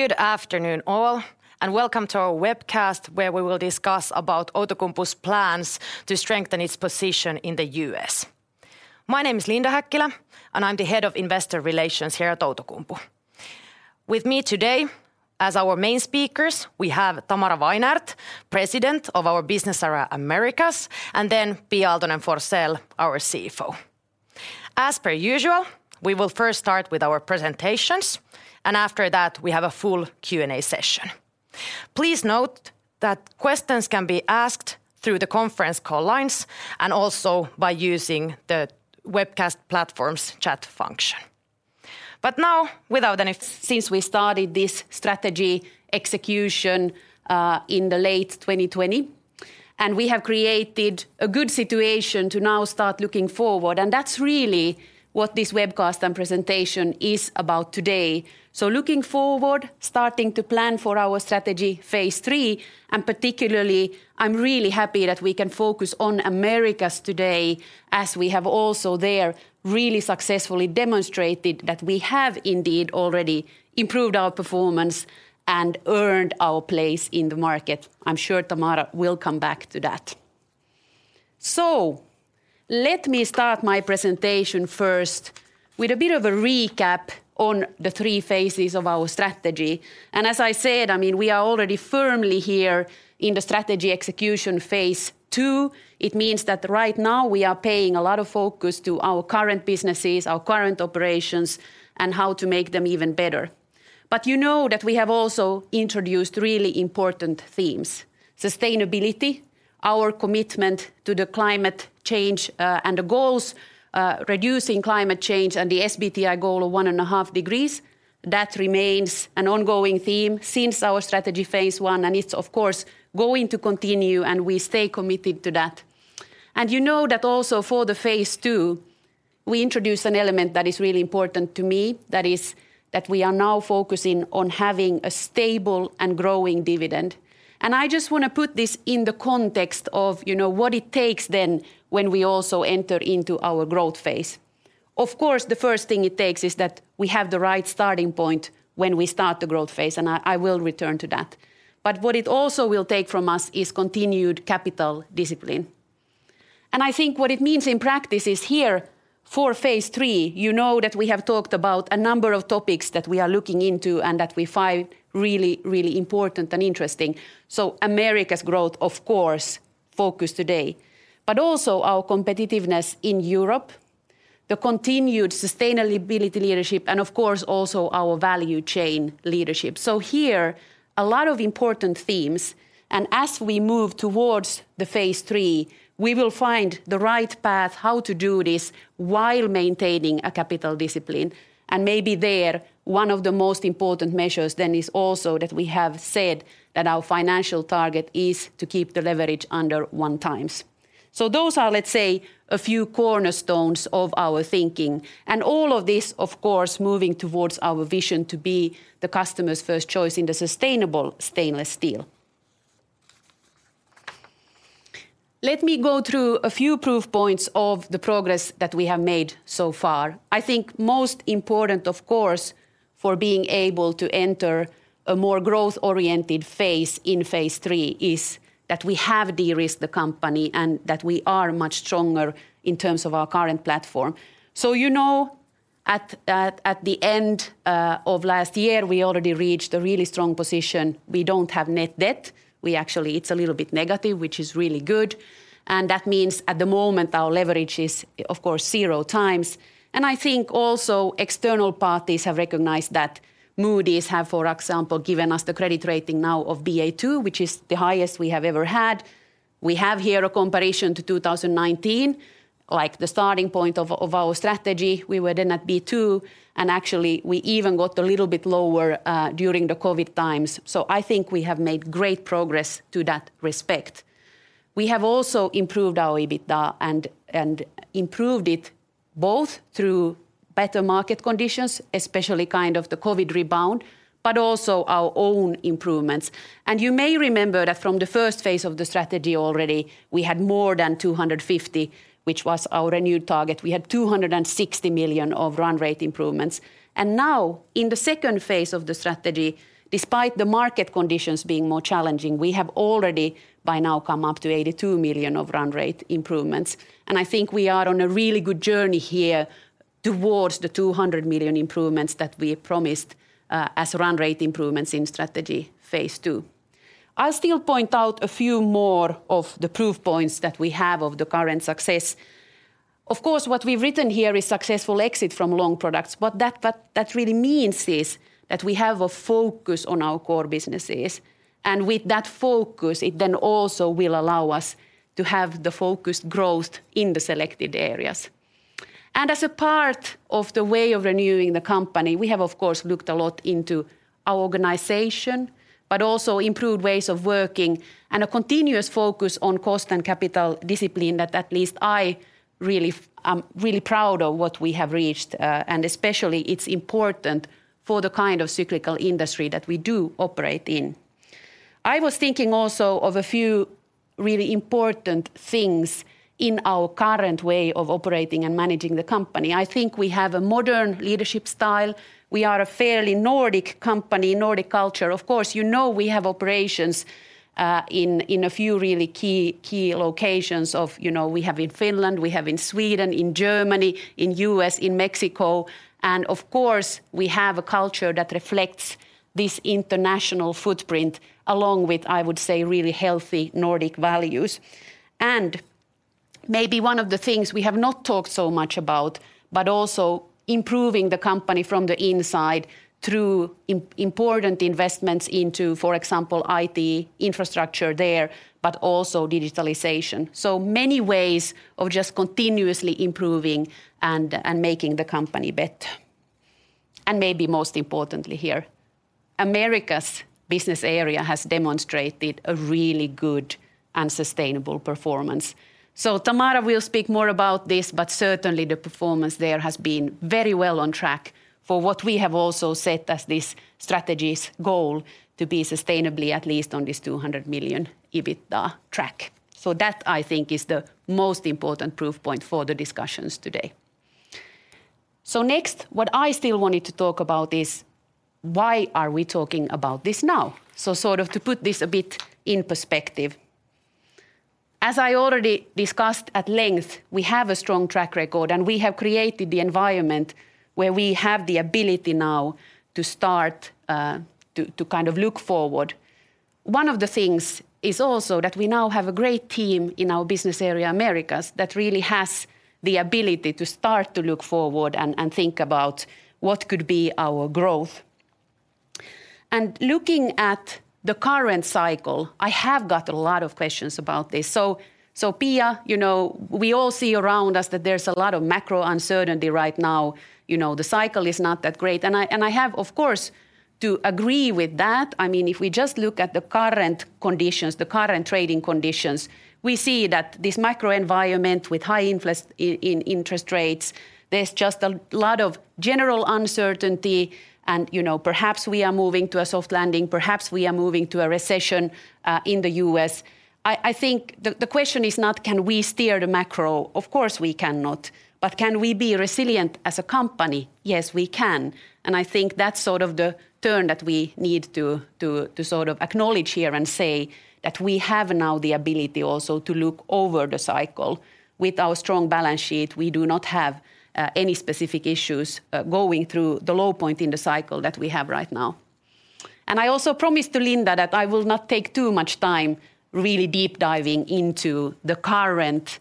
Good afternoon, all, and welcome to our webcast, where we will discuss about Outokumpu's plans to strengthen its position in the U.S. My name is Linda Häkkilä, and I'm the Head of Investor Relations here at Outokumpu. With me today, as our main speakers, we have Tamara Weinert, President of our business area, Americas, and then Pia Aaltonen-Forsell, our CFO. As per usual, we will first start with our presentations, and after that, we have a full Q&A session. Please note that questions can be asked through the conference call lines and also by using the webcast platform's chat function. Now, since we started this strategy execution in the late 2020, we have created a good situation to now start looking forward, and that's really what this webcast and presentation is about today. Looking forward, starting to plan for our strategy phase three, and particularly, I'm really happy that we can focus on Americas today, as we have also there really successfully demonstrated that we have indeed already improved our performance and earned our place in the market. I'm sure Tamara will come back to that. Let me start my presentation first with a bit of a recap on the three phases of our strategy, and as I said, I mean, we are already firmly here in the strategy execution phase two. It means that right now we are paying a lot of focus to our current businesses, our current operations, and how to make them even better. You know that we have also introduced really important themes: sustainability, our commitment to climate change, and the goals, reducing climate change, and the SBTi goal of 1.5 degrees. That remains an ongoing theme since our strategy phase one, and it's of course going to continue, and we stay committed to that. You know that also for phase two, we introduced an element that is really important to me, that is that we are now focusing on having a stable and growing dividend. I just want to put this in the context of, you know, what it takes then when we also enter into our growth phase. Of course, the first thing it takes is that we have the right starting point when we start the growth phase, and I will return to that. What it also will take from us is continued capital discipline. I think what it means in practice is here, for phase three, you know that we have talked about a number of topics that we are looking into and that we find really, really important and interesting. Americas growth, of course, focus today, but also our competitiveness in Europe, the continued sustainability leadership, and of course, also our value chain leadership. Here, a lot of important themes, and as we move towards the phase three, we will find the right path, how to do this, while maintaining a capital discipline. Maybe there, one of the most important measures then is also that we have said that our financial target is to keep the leverage under 1x. So those are, let's say, a few cornerstones of our thinking, and all of this, of course, moving towards our vision to be the customer's first choice in the sustainable stainless steel. Let me go through a few proof points of the progress that we have made so far. I think most important, of course, for being able to enter a more growth-oriented phase in phase three is that we have de-risked the company and that we are much stronger in terms of our current platform. So you know, at the end of last year, we already reached a really strong position. We don't have net debt. We actually... It's a little bit negative, which is really good, and that means at the moment, our leverage is, of course, 0 times. I think also external parties have recognized that Moody's have, for example, given us the credit rating now of Ba2, which is the highest we have ever had. We have here a comparison to 2019, like the starting point of, of our strategy. We were then at B2, and actually, we even got a little bit lower during the COVID times. I think we have made great progress to that respect. We have also improved our EBITDA and, and improved it both through better market conditions, especially kind of the COVID rebound, but also our own improvements. You may remember that from the first phase of the strategy already, we had more than 250 million, which was our renewed target. We had 260 million of run rate improvements. Now, in the second phase of the strategy, despite the market conditions being more challenging, we have already by now come up to 82 million of run rate improvements. I think we are on a really good journey here towards the 200 million improvements that we promised, as run rate improvements in strategy phase two. I'll still point out a few more of the proof points that we have of the current success. Of course, what we've written here is successful exit from long products. What that really means is that we have a focus on our core businesses, and with that focus, it then also will allow us to have the focused growth in the selected areas. As a part of the way of renewing the company, we have, of course, looked a lot into our organization, but also improved ways of working and a continuous focus on cost and capital discipline that at least I'm really proud of what we have reached, and especially it's important for the kind of cyclical industry that we do operate in. I was thinking also of a few really important things in our current way of operating and managing the company. I think we have a modern leadership style. We are a fairly Nordic company, Nordic culture. Of course, you know we have operations in a few really key locations of... You know, we have in Finland, we have in Sweden, in Germany, in U.S., in Mexico, and of course, we have a culture that reflects this international footprint, along with, I would say, really healthy Nordic values. And maybe one of the things we have not talked so much about, but also improving the company from the inside through important investments into, for example, IT infrastructure there, but also digitalization. So many ways of just continuously improving and making the company better. And maybe most importantly here, Americas business area has demonstrated a really good and sustainable performance. So Tamara will speak more about this, but certainly the performance there has been very well on track for what we have also set as this strategy's goal, to be sustainably at least on this 200 million EBITDA track. So that, I think, is the most important proof point for the discussions today. So next, what I still wanted to talk about is, why are we talking about this now? So sort of to put this a bit in perspective. As I already discussed at length, we have a strong track record, and we have created the environment where we have the ability now to start to kind of look forward. One of the things is also that we now have a great team in our business area, Americas, that really has the ability to start to look forward and think about what could be our growth. And looking at the current cycle, I have got a lot of questions about this. So Pia, you know, we all see around us that there's a lot of macro uncertainty right now. You know, the cycle is not that great, and I have, of course, to agree with that. I mean, if we just look at the current conditions, the current trading conditions, we see that this macro environment with high inflation and interest rates, there's just a lot of general uncertainty and, you know, perhaps we are moving to a soft landing, perhaps we are moving to a recession in the U.S. I think the question is not: can we steer the macro? Of course we cannot. But can we be resilient as a company? Yes, we can, and I think that's sort of the turn that we need to sort of acknowledge here and say that we have now the ability also to look over the cycle. With our strong balance sheet, we do not have any specific issues going through the low point in the cycle that we have right now. I also promised to Linda that I will not take too much time really deep-diving into the current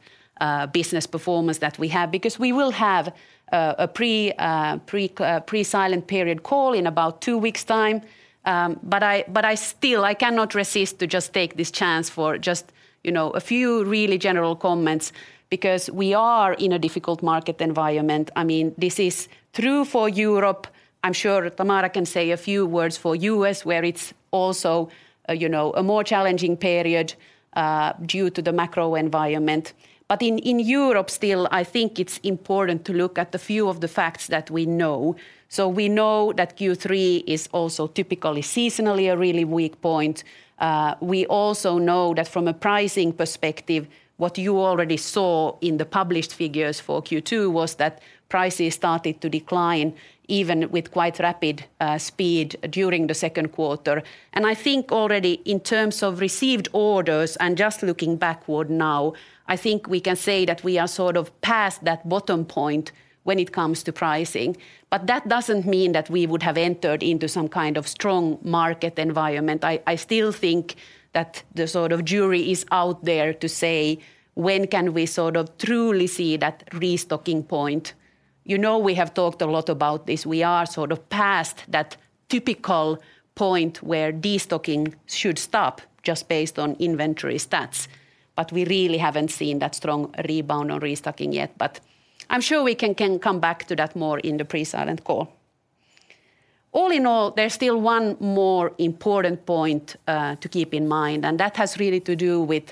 business performance that we have, because we will have a pre-silent period call in about two weeks' time. But I still cannot resist to just take this chance for just, you know, a few really general comments, because we are in a difficult market environment. I mean, this is true for Europe. I'm sure Tamara can say a few words for U.S., where it's also, you know, a more challenging period due to the macro environment. In Europe, still, I think it's important to look at the few of the facts that we know. We know that Q3 is also typically seasonally a really weak point. We also know that from a pricing perspective, what you already saw in the published figures for Q2 was that prices started to decline even with quite rapid speed during the Q2. I think already in terms of received orders, and just looking backward now, I think we can say that we are sort of past that bottom point when it comes to pricing. That doesn't mean that we would have entered into some kind of strong market environment. I still think that the sort of jury is out there to say, when can we sort of truly see that restocking point? You know, we have talked a lot about this. We are sort of past that typical point where destocking should stop, just based on inventory stats, but we really haven't seen that strong rebound on restocking yet. But I'm sure we can come back to that more in the pre-silent call. All in all, there's still one more important point to keep in mind, and that has really to do with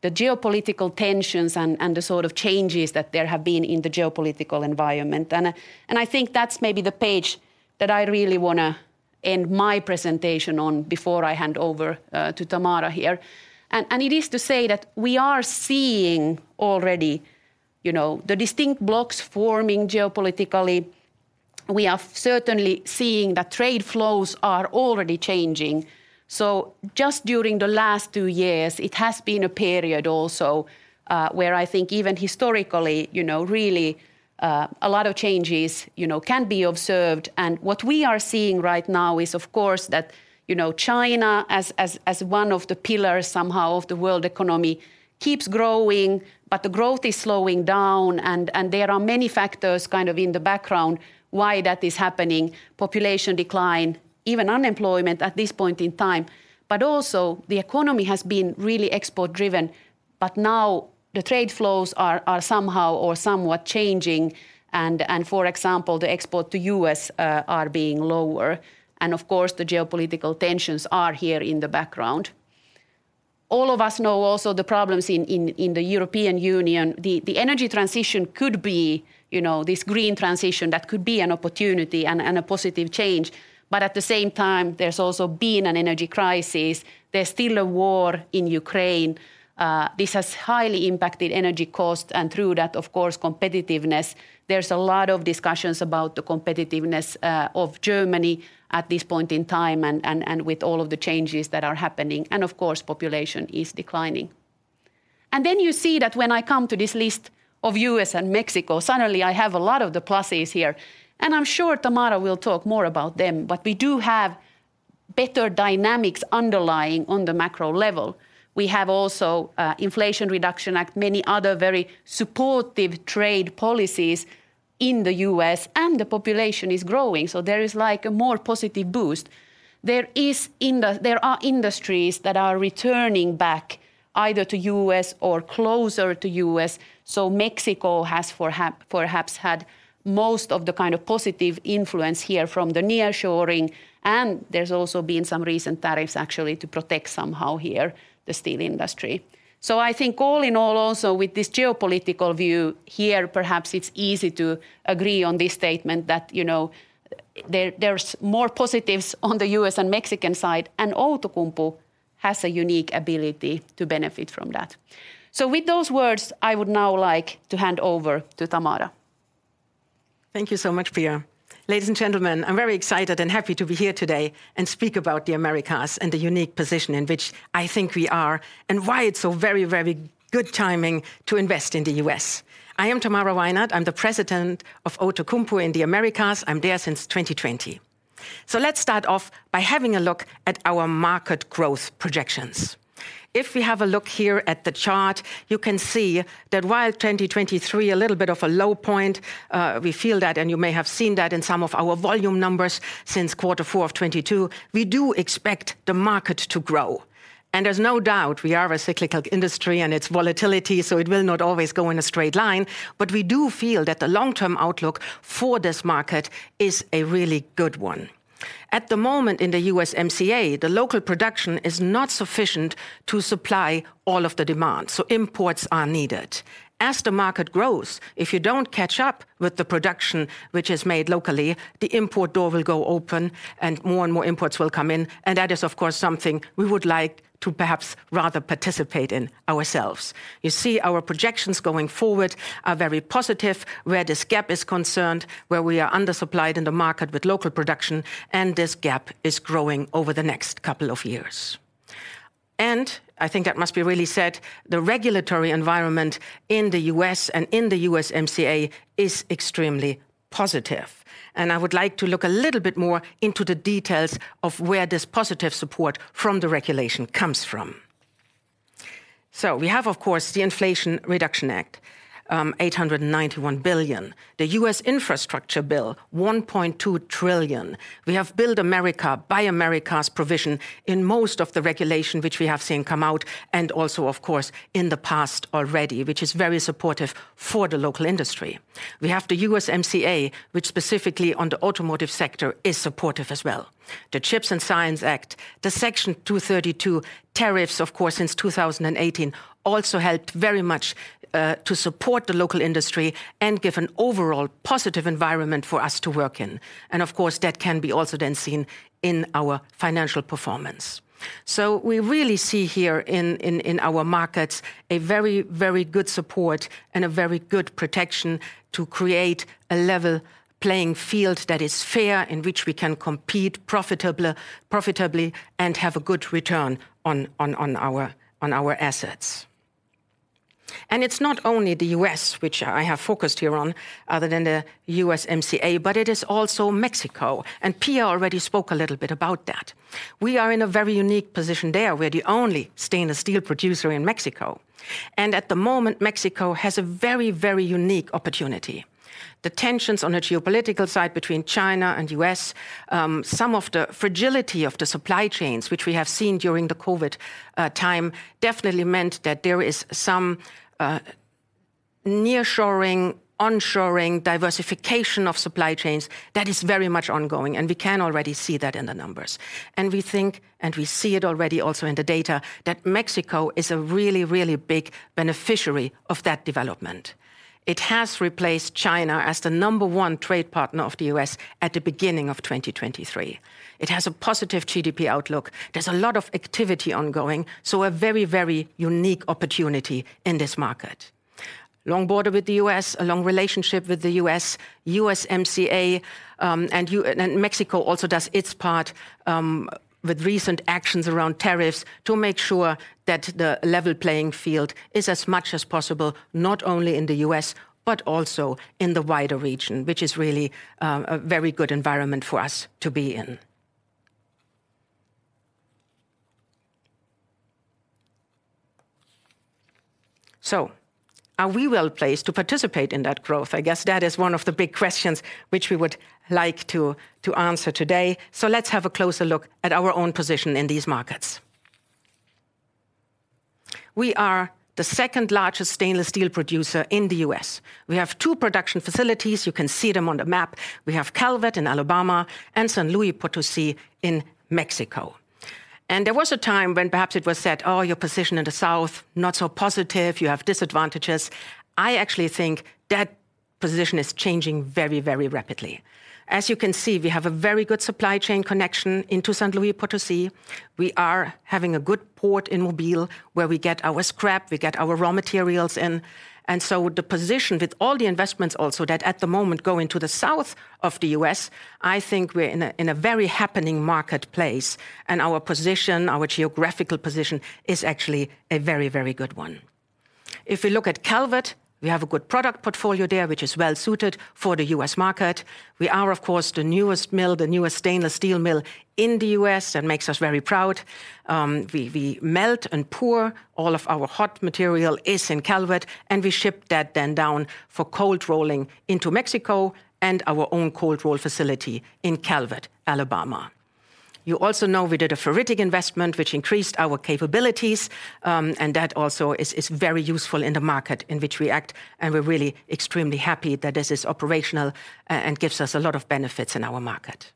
the geopolitical tensions and the sort of changes that there have been in the geopolitical environment. And I think that's maybe the page that I really want to end my presentation on before I hand over to Tamara here. And it is to say that we are seeing already, you know, the distinct blocks forming geopolitically. We are certainly seeing that trade flows are already changing. So just during the last two years, it has been a period also, where I think even historically, you know, really, a lot of changes, you know, can be observed. And what we are seeing right now is, of course, that, you know, China, as one of the pillars, somehow, of the world economy, keeps growing, but the growth is slowing down, and there are many factors kind of in the background why that is happening: population decline, even unemployment at this point in time. But also, the economy has been really export-driven, but now the trade flows are somehow or somewhat changing, and for example, the export to U.S. are being lower. And of course, the geopolitical tensions are here in the background.... all of us know also the problems in the European Union. The energy transition could be, you know, this green transition that could be an opportunity and a positive change. But at the same time, there's also been an energy crisis. There's still a war in Ukraine. This has highly impacted energy costs, and through that, of course, competitiveness. There's a lot of discussions about the competitiveness of Germany at this point in time, and with all of the changes that are happening, and of course, population is declining. And then you see that when I come to this list of US and Mexico, suddenly I have a lot of the pluses here, and I'm sure Tamara will talk more about them. But we do have better dynamics underlying on the macro level. We have also, Inflation Reduction Act, many other very supportive trade policies in the U.S., and the population is growing, so there is like a more positive boost. There are industries that are returning back either to U.S. or closer to U.S., so Mexico has perhaps had most of the kind of positive influence here from the nearshoring, and there's also been some recent tariffs actually to protect somehow here the steel industry. So I think all in all, also with this geopolitical view here, perhaps it's easy to agree on this statement that, you know, there, there's more positives on the U.S. and Mexican side, and Outokumpu has a unique ability to benefit from that. So with those words, I would now like to hand over to Tamara. Thank you so much, Pia. Ladies and gentlemen, I'm very excited and happy to be here today and speak about the Americas and the unique position in which I think we are, and why it's so very, very good timing to invest in the U.S. I am Tamara Weinert. I'm the president of Outokumpu in the Americas. I'm there since 2020. So let's start off by having a look at our market growth projections. If we have a look here at the chart, you can see that while 2023, a little bit of a low point, we feel that, and you may have seen that in some of our volume numbers since quarter four of 2022, we do expect the market to grow. There's no doubt we are a cyclical industry, and it's volatility, so it will not always go in a straight line. But we do feel that the long-term outlook for this market is a really good one. At the moment, in the USMCA, the local production is not sufficient to supply all of the demand, so imports are needed. As the market grows, if you don't catch up with the production which is made locally, the import door will go open, and more and more imports will come in, and that is, of course, something we would like to perhaps rather participate in ourselves. You see, our projections going forward are very positive where this gap is concerned, where we are undersupplied in the market with local production, and this gap is growing over the next couple of years. I think that must be really said, the regulatory environment in the U.S. and in the USMCA is extremely positive, and I would like to look a little bit more into the details of where this positive support from the regulation comes from. So we have, of course, the Inflation Reduction Act, $891 billion; the U.S. Infrastructure Bill, $1.2 trillion. We have Build America, Buy America's provision in most of the regulation which we have seen come out, and also, of course, in the past already, which is very supportive for the local industry. We have the USMCA, which specifically on the automotive sector, is supportive as well. The CHIPS and Science Act, the Section 232 tariffs, of course, since 2018, also helped very much to support the local industry and give an overall positive environment for us to work in. And of course, that can be also then seen in our financial performance. So we really see here in our markets a very, very good support and a very good protection to create a level playing field that is fair, in which we can compete profitably and have a good return on our assets. And it's not only the US which I have focused here on, other than the USMCA, but it is also Mexico, and Pia already spoke a little bit about that. We are in a very unique position there. We're the only stainless steel producer in Mexico, and at the moment, Mexico has a very, very unique opportunity. The tensions on the geopolitical side between China and U.S., some of the fragility of the supply chains, which we have seen during the COVID, time, definitely meant that there is some, nearshoring, onshoring, diversification of supply chains that is very much ongoing, and we can already see that in the numbers. We think, and we see it already also in the data, that Mexico is a really, really big beneficiary of that development. It has replaced China as the number one trade partner of the U.S. at the beginning of 2023. It has a positive GDP outlook. There's a lot of activity ongoing, so a very, very unique opportunity in this market. Long border with the U.S., a long relationship with the U.S., USMCA, and Mexico also does its part, with recent actions around tariffs to make sure that the level playing field is as much as possible, not only in the U.S. but also in the wider region, which is really, a very good environment for us to be in. So are we well placed to participate in that growth? I guess that is one of the big questions which we would like to, to answer today. So let's have a closer look at our own position in these markets.... We are the second largest stainless steel producer in the U.S. We have two production facilities. You can see them on the map. We have Calvert in Alabama and San Luis Potosí in Mexico. And there was a time when perhaps it was said, "Oh, your position in the south, not so positive, you have disadvantages." I actually think that position is changing very, very rapidly. As you can see, we have a very good supply chain connection into San Luis Potosí. We are having a good port in Mobile, where we get our scrap, we get our raw materials in. And so the position with all the investments also that at the moment go into the south of the U.S., I think we're in a very happening marketplace, and our position, our geographical position is actually a very, very good one. If we look at Calvert, we have a good product portfolio there, which is well suited for the U.S. market. We are, of course, the newest mill, the newest stainless steel mill in the U.S., that makes us very proud. We melt and pour all of our hot material in Calvert, and we ship that then down for cold rolling into Mexico and our own cold roll facility in Calvert, Alabama. You also know we did a ferritic investment, which increased our capabilities, and that also is very useful in the market in which we act, and we're really extremely happy that this is operational, and gives us a lot of benefits in our market.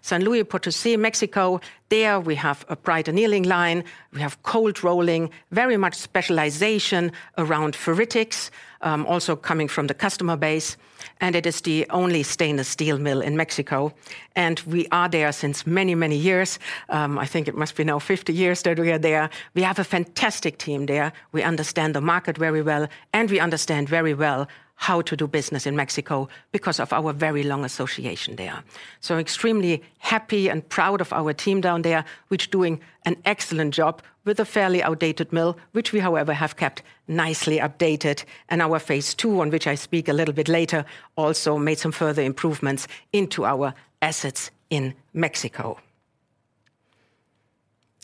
San Luis Potosí, Mexico, there we have a bright annealing line, we have cold rolling, very much specialization around ferritics, also coming from the customer base, and it is the only stainless steel mill in Mexico, and we are there since many, many years. I think it must be now 50 years that we are there. We have a fantastic team there. We understand the market very well, and we understand very well how to do business in Mexico because of our very long association there. So, extremely happy and proud of our team down there, which doing an excellent job with a fairly outdated mill, which we, however, have kept nicely updated, and our phase two, on which I speak a little bit later, also made some further improvements into our assets in Mexico.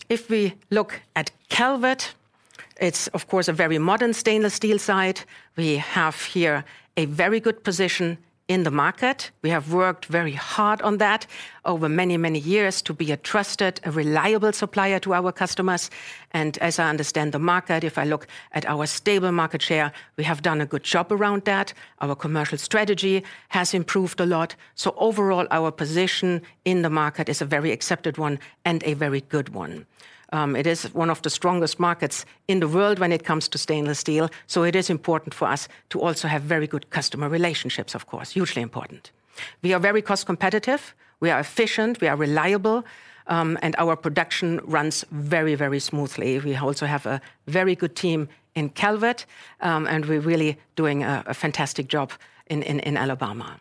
If we look at Calvert, it's of course a very modern stainless steel site. We have here a very good position in the market. We have worked very hard on that over many, many years to be a trusted and reliable supplier to our customers. As I understand the market, if I look at our stable market share, we have done a good job around that. Our commercial strategy has improved a lot. Overall, our position in the market is a very accepted one and a very good one. It is one of the strongest markets in the world when it comes to stainless steel, so it is important for us to also have very good customer relationships, of course, hugely important. We are very cost competitive, we are efficient, we are reliable, and our production runs very, very smoothly. We also have a very good team in Calvert, and we're really doing a fantastic job in Alabama.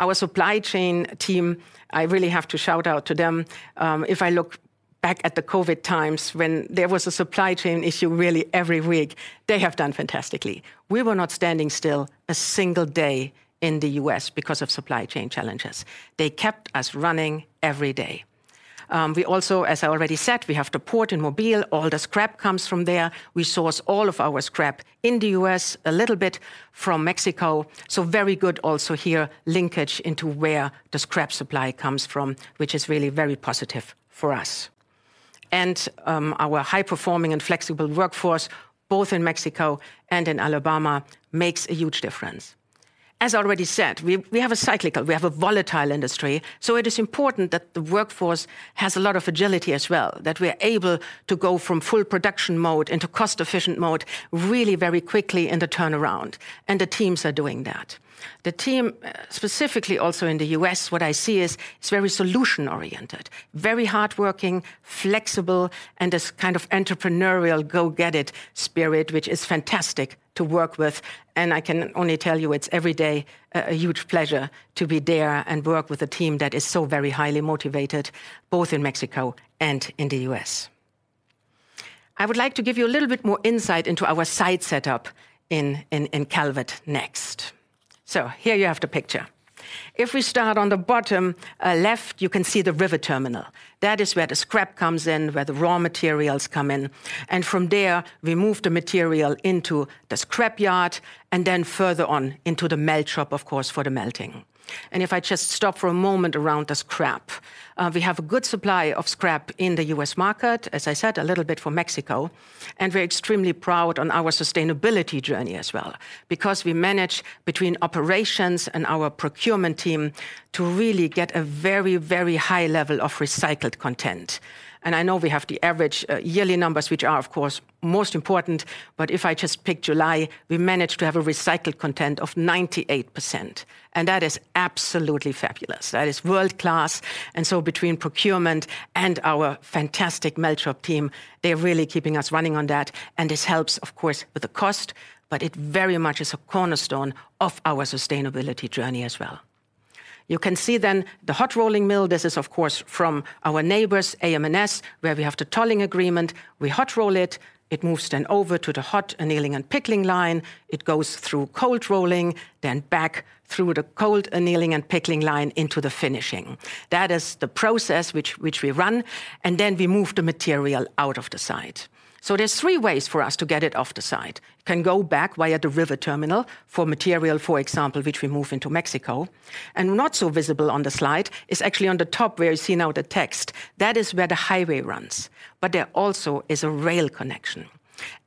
Our supply chain team, I really have to shout out to them. If I look back at the COVID times when there was a supply chain issue really every week, they have done fantastically. We were not standing still a single day in the U.S. because of supply chain challenges. They kept us running every day. We also, as I already said, we have the port in Mobile. All the scrap comes from there. We source all of our scrap in the US, a little bit from Mexico. So very good also here, linkage into where the scrap supply comes from, which is really very positive for us. Our high-performing and flexible workforce, both in Mexico and in Alabama, makes a huge difference. As I already said, we have a cyclical, volatile industry, so it is important that the workforce has a lot of agility as well, that we are able to go from full production mode into cost-efficient mode really very quickly in the turnaround, and the teams are doing that. The team, specifically also in the US, what I see is, it's very solution oriented, very hardworking, flexible, and this kind of entrepreneurial go-get-it spirit, which is fantastic to work with. I can only tell you, it's every day, a huge pleasure to be there and work with a team that is so very highly motivated, both in Mexico and in the US. I would like to give you a little bit more insight into our site setup in Calvert next. Here you have the picture. If we start on the bottom left, you can see the river terminal. That is where the scrap comes in, where the raw materials come in, and from there, we move the material into the scrap yard and then further on into the melt shop, of course, for the melting. If I just stop for a moment around the scrap, we have a good supply of scrap in the U.S. market, as I said, a little bit from Mexico, and we're extremely proud on our sustainability journey as well, because we manage between operations and our procurement team to really get a very, very high level of recycled content. I know we have the average yearly numbers, which are, of course, most important, but if I just pick July, we managed to have a recycled content of 98%, and that is absolutely fabulous. That is world-class, and so between procurement and our fantastic melt shop team, they're really keeping us running on that, and this helps, of course, with the cost, but it very much is a cornerstone of our sustainability journey as well. You can see then the hot rolling mill. This is, of course, from our neighbors, AM/NS, where we have the tolling agreement. We hot roll it, it moves then over to the hot annealing and pickling line. It goes through cold rolling, then back through the cold annealing and pickling line into the finishing. That is the process which we run, and then we move the material out of the site. So there's three ways for us to get it off the site. It can go back via the river terminal for material, for example, which we move into Mexico, and not so visible on the slide, is actually on the top where you see now the text. That is where the highway runs. But there also is a rail connection.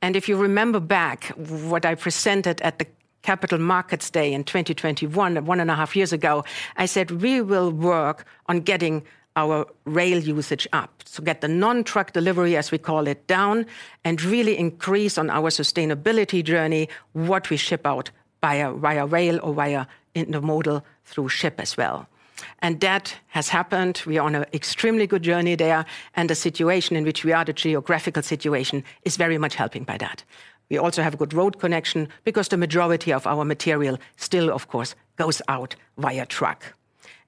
And if you remember back what I presented at the-... Capital Markets Day in 2021, one and a half years ago, I said: We will work on getting our rail usage up. So get the non-truck delivery, as we call it, down, and really increase on our sustainability journey, what we ship out via, via rail or via intermodal through ship as well. And that has happened. We are on an extremely good journey there, and the situation in which we are, the geographical situation, is very much helping by that. We also have a good road connection, because the majority of our material still, of course, goes out via truck.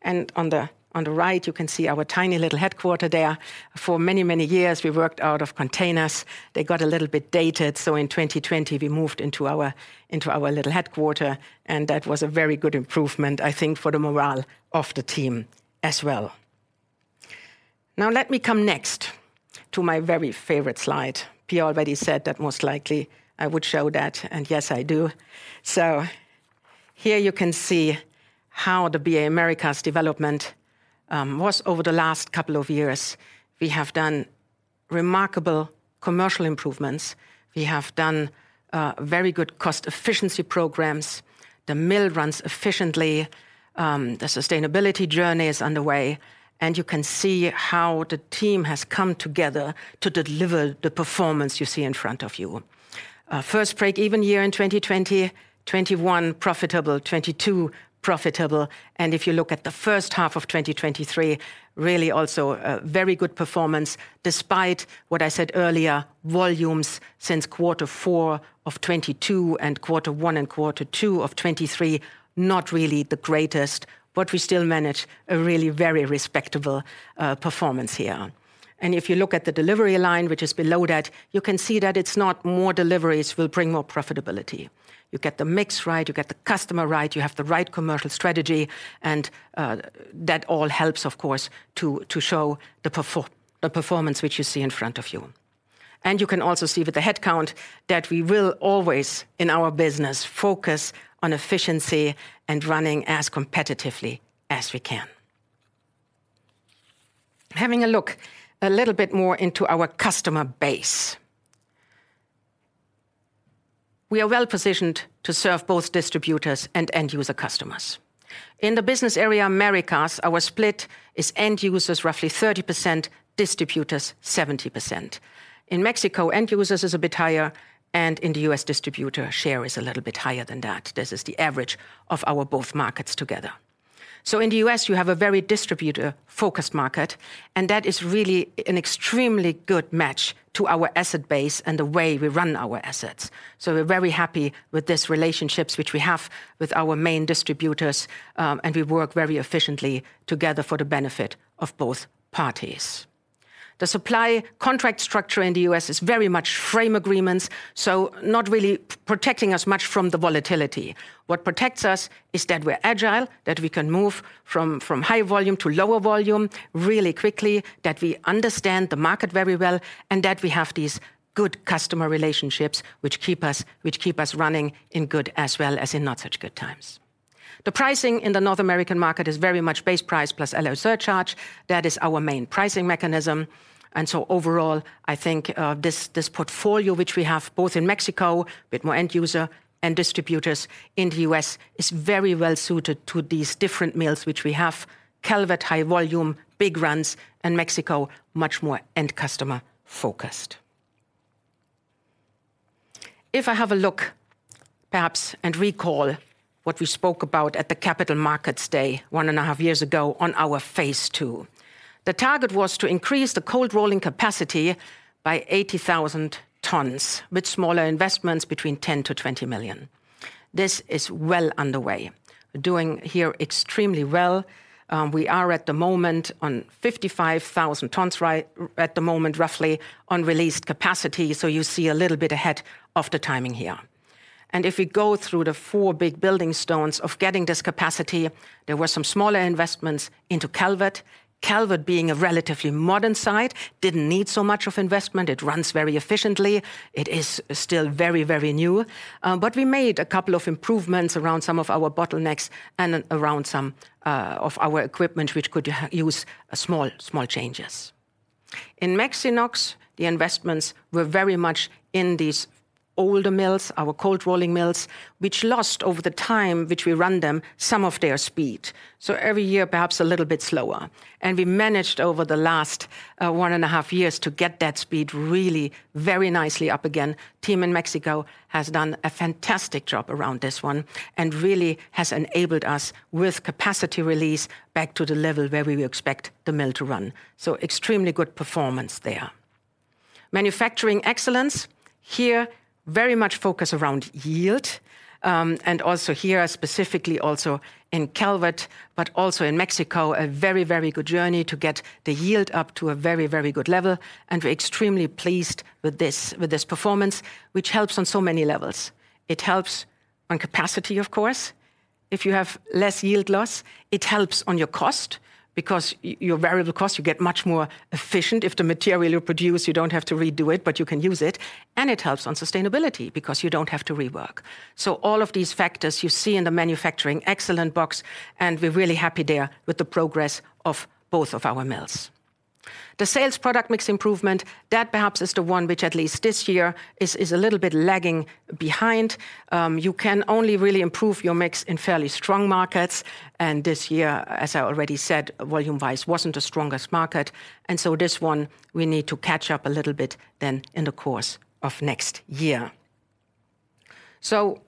And on the, on the right, you can see our tiny little headquarters there. For many, many years, we worked out of containers. They got a little bit dated, so in 2020, we moved into our little headquarter, and that was a very good improvement, I think, for the morale of the team as well. Now, let me come next to my very favorite slide. Pia already said that most likely I would show that, and yes, I do. Here you can see how the BA Americas development was over the last couple of years. We have done remarkable commercial improvements. We have done very good cost efficiency programs. The mill runs efficiently, the sustainability journey is underway, and you can see how the team has come together to deliver the performance you see in front of you. First break-even year in 2020, 2021 profitable, 2022 profitable, and if you look at the first half of 2023, really also a very good performance, despite what I said earlier, volumes since Q4 of 2022 and Q1 and Q2 of 2023, not really the greatest, but we still manage a really very respectable performance here. If you look at the delivery line, which is below that, you can see that it's not more deliveries will bring more profitability. You get the mix right, you get the customer right, you have the right commercial strategy, and that all helps, of course, to show the performance which you see in front of you. You can also see with the headcount that we will always, in our business, focus on efficiency and running as competitively as we can. Having a look a little bit more into our customer base. We are well-positioned to serve both distributors and end-user customers. In the business area Americas, our split is end users, roughly 30%; distributors, 70%. In Mexico, end users is a bit higher, and in the US, distributor share is a little bit higher than that. This is the average of our both markets together. So in the US, you have a very distributor-focused market, and that is really an extremely good match to our asset base and the way we run our assets. So we're very happy with these relationships which we have with our main distributors, and we work very efficiently together for the benefit of both parties. The supply contract structure in the US is very much frame agreements, so not really protecting us much from the volatility. What protects us is that we're agile, that we can move from, from high volume to lower volume really quickly, that we understand the market very well, and that we have these good customer relationships, which keep us, which keep us running in good as well as in not such good times. The pricing in the North American market is very much base price plus alloy surcharge. That is our main pricing mechanism. And so overall, I think, this, this portfolio, which we have both in Mexico, with more end user and distributors in the U.S., is very well suited to these different mills, which we have: Calvert, high volume, big runs, and Mexico, much more end customer focused. If I have a look, perhaps, and recall what we spoke about at the Capital Markets Day one and a half years ago on our phase two. The target was to increase the cold rolling capacity by 80,000 tons, with smaller investments between 10 million-20 million. This is well underway, doing here extremely well. We are at the moment on 55,000 tons right at the moment, roughly, on released capacity, so you see a little bit ahead of the timing here. And if we go through the four big building stones of getting this capacity, there were some smaller investments into Calvert. Calvert, being a relatively modern site, didn't need so much of investment. It runs very efficiently. It is still very, very new, but we made a couple of improvements around some of our bottlenecks and around some of our equipment, which could use a small, small changes. In Mexinox, the investments were very much in these older mills, our cold rolling mills, which lost over the time, which we run them, some of their speed, so every year, perhaps a little bit slower. And we managed over the last one and a half years to get that speed really very nicely up again. Team in Mexico has done a fantastic job around this one and really has enabled us, with capacity release, back to the level where we expect the mill to run. So extremely good performance there. Manufacturing excellence here very much focus around yield, and also here, specifically also in Calvert, but also in Mexico, a very, very good journey to get the yield up to a very, very good level, and we're extremely pleased with this, with this performance, which helps on so many levels. It helps on capacity, of course. If you have less yield loss, it helps on your cost, because your variable cost, you get much more efficient. If the material you produce, you don't have to redo it, but you can use it. It helps on sustainability, because you don't have to rework. All of these factors you see in the manufacturing excellent box, and we're really happy there with the progress of both of our mills. The sales product mix improvement, that perhaps is the one which at least this year is a little bit lagging behind. You can only really improve your mix in fairly strong markets, and this year, as I already said, volume-wise, wasn't the strongest market. This one we need to catch up a little bit then in the course of next year. So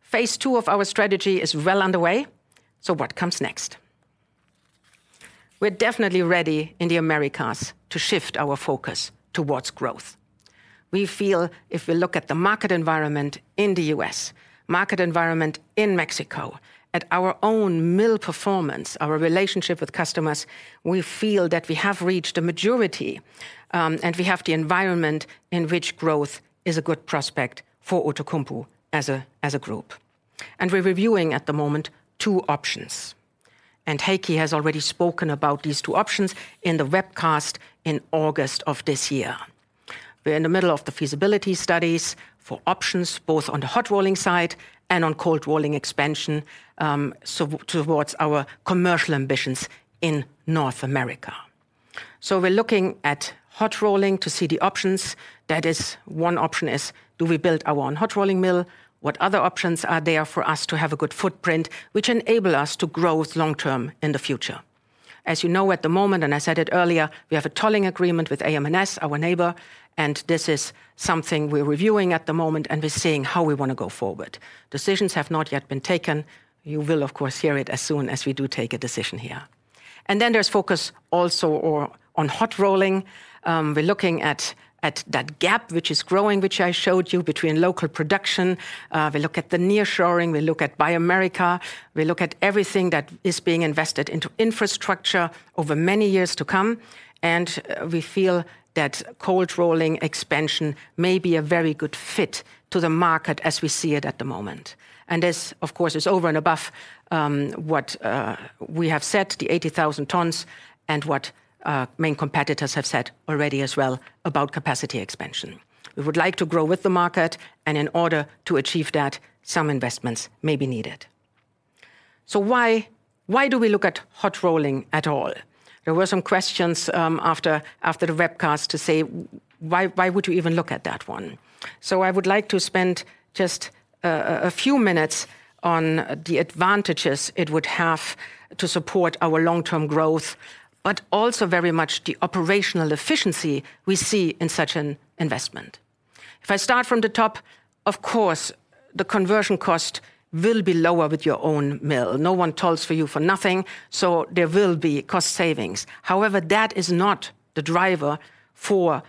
phase two of our strategy is well underway, so what comes next? We're definitely ready in the Americas to shift our focus towards growth. We feel if we look at the market environment in the U.S., market environment in Mexico, at our own mill performance, our relationship with customers, we feel that we have reached a maturity, and we have the environment in which growth is a good prospect for Outokumpu as a, as a group. And we're reviewing at the moment two options, and Heikki has already spoken about these two options in the webcast in August of this year. We're in the middle of the feasibility studies for options, both on the hot rolling side and on cold rolling expansion, so towards our commercial ambitions in North America. So we're looking at hot rolling to see the options. That is, one option is, do we build our own hot rolling mill? What other options are there for us to have a good footprint which enable us to grow long term in the future? As you know, at the moment, and I said it earlier, we have a tolling agreement with AM/NS, our neighbor, and this is something we're reviewing at the moment, and we're seeing how we wanna go forward. Decisions have not yet been taken. You will, of course, hear it as soon as we do take a decision here. There's focus also on hot rolling. We're looking at that gap, which is growing, which I showed you, between local production. We look at the nearshoring, we look at Buy America, we look at everything that is being invested into infrastructure over many years to come, and we feel that cold rolling expansion may be a very good fit to the market as we see it at the moment. And this, of course, is over and above what we have set the 80,000 tons and what main competitors have said already as well about capacity expansion. We would like to grow with the market, and in order to achieve that, some investments may be needed. So why, why do we look at hot rolling at all? There were some questions after the webcast to say, "Why, why would you even look at that one?" I would like to spend just a few minutes on the advantages it would have to support our long-term growth, but also very much the operational efficiency we see in such an investment. If I start from the top, of course, the conversion cost will be lower with your own mill. No one tolls for you for nothing, so there will be cost savings. However, that is not the driver for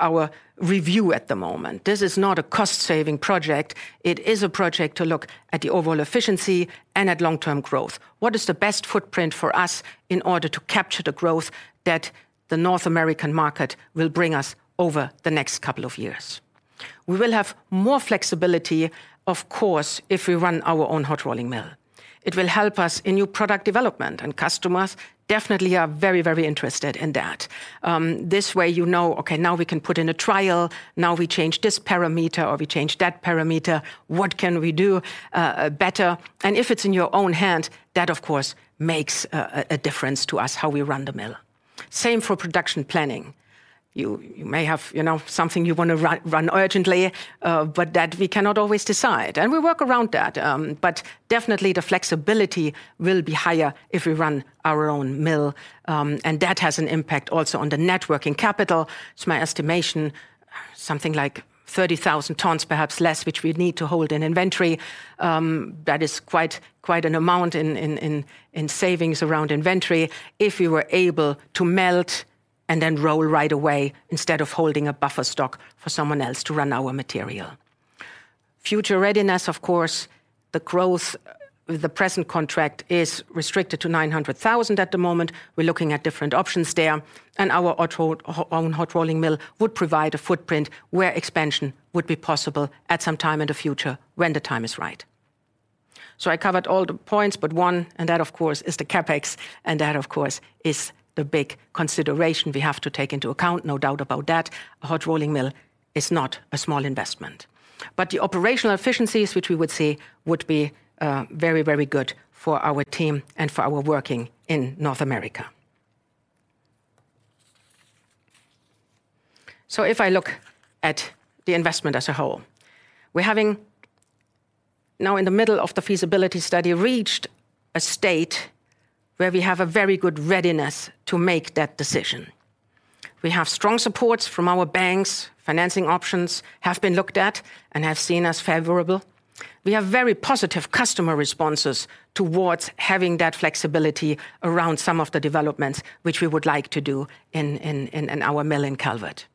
our review at the moment. This is not a cost-saving project, it is a project to look at the overall efficiency and at long-term growth. What is the best footprint for us in order to capture the growth that the North American market will bring us over the next couple of years? We will have more flexibility, of course, if we run our own hot rolling mill. It will help us in new product development, and customers definitely are very, very interested in that. This way you know, "Okay, now we can put in a trial. Now we change this parameter, or we change that parameter. What can we do better?" And if it's in your own hands, that, of course, makes a difference to us how we run the mill. Same for production planning. You may have, you know, something you wanna run urgently, but that we cannot always decide, and we work around that. But definitely the flexibility will be higher if we run our own mill, and that has an impact also on the net working capital. It's my estimation, something like 30,000 tons, perhaps less, which we'd need to hold in inventory. That is quite an amount in savings around inventory if you were able to melt and then roll right away instead of holding a buffer stock for someone else to run our material. Future readiness, of course, the growth... The present contract is restricted to 900,000 at the moment. We're looking at different options there, and our own hot rolling mill would provide a footprint where expansion would be possible at some time in the future when the time is right. So I covered all the points, but one, and that, of course, is the CapEx, and that, of course, is the big consideration we have to take into account, no doubt about that. A hot rolling mill is not a small investment. The operational efficiencies, which we would see, would be very, very good for our team and for our working in North America. If I look at the investment as a whole, we're having now in the middle of the feasibility study, reached a state where we have a very good readiness to make that decision. We have strong supports from our banks. Financing options have been looked at and have seen as favorable. We have very positive customer responses towards having that flexibility around some of the developments which we would like to do in our mill in Calvert.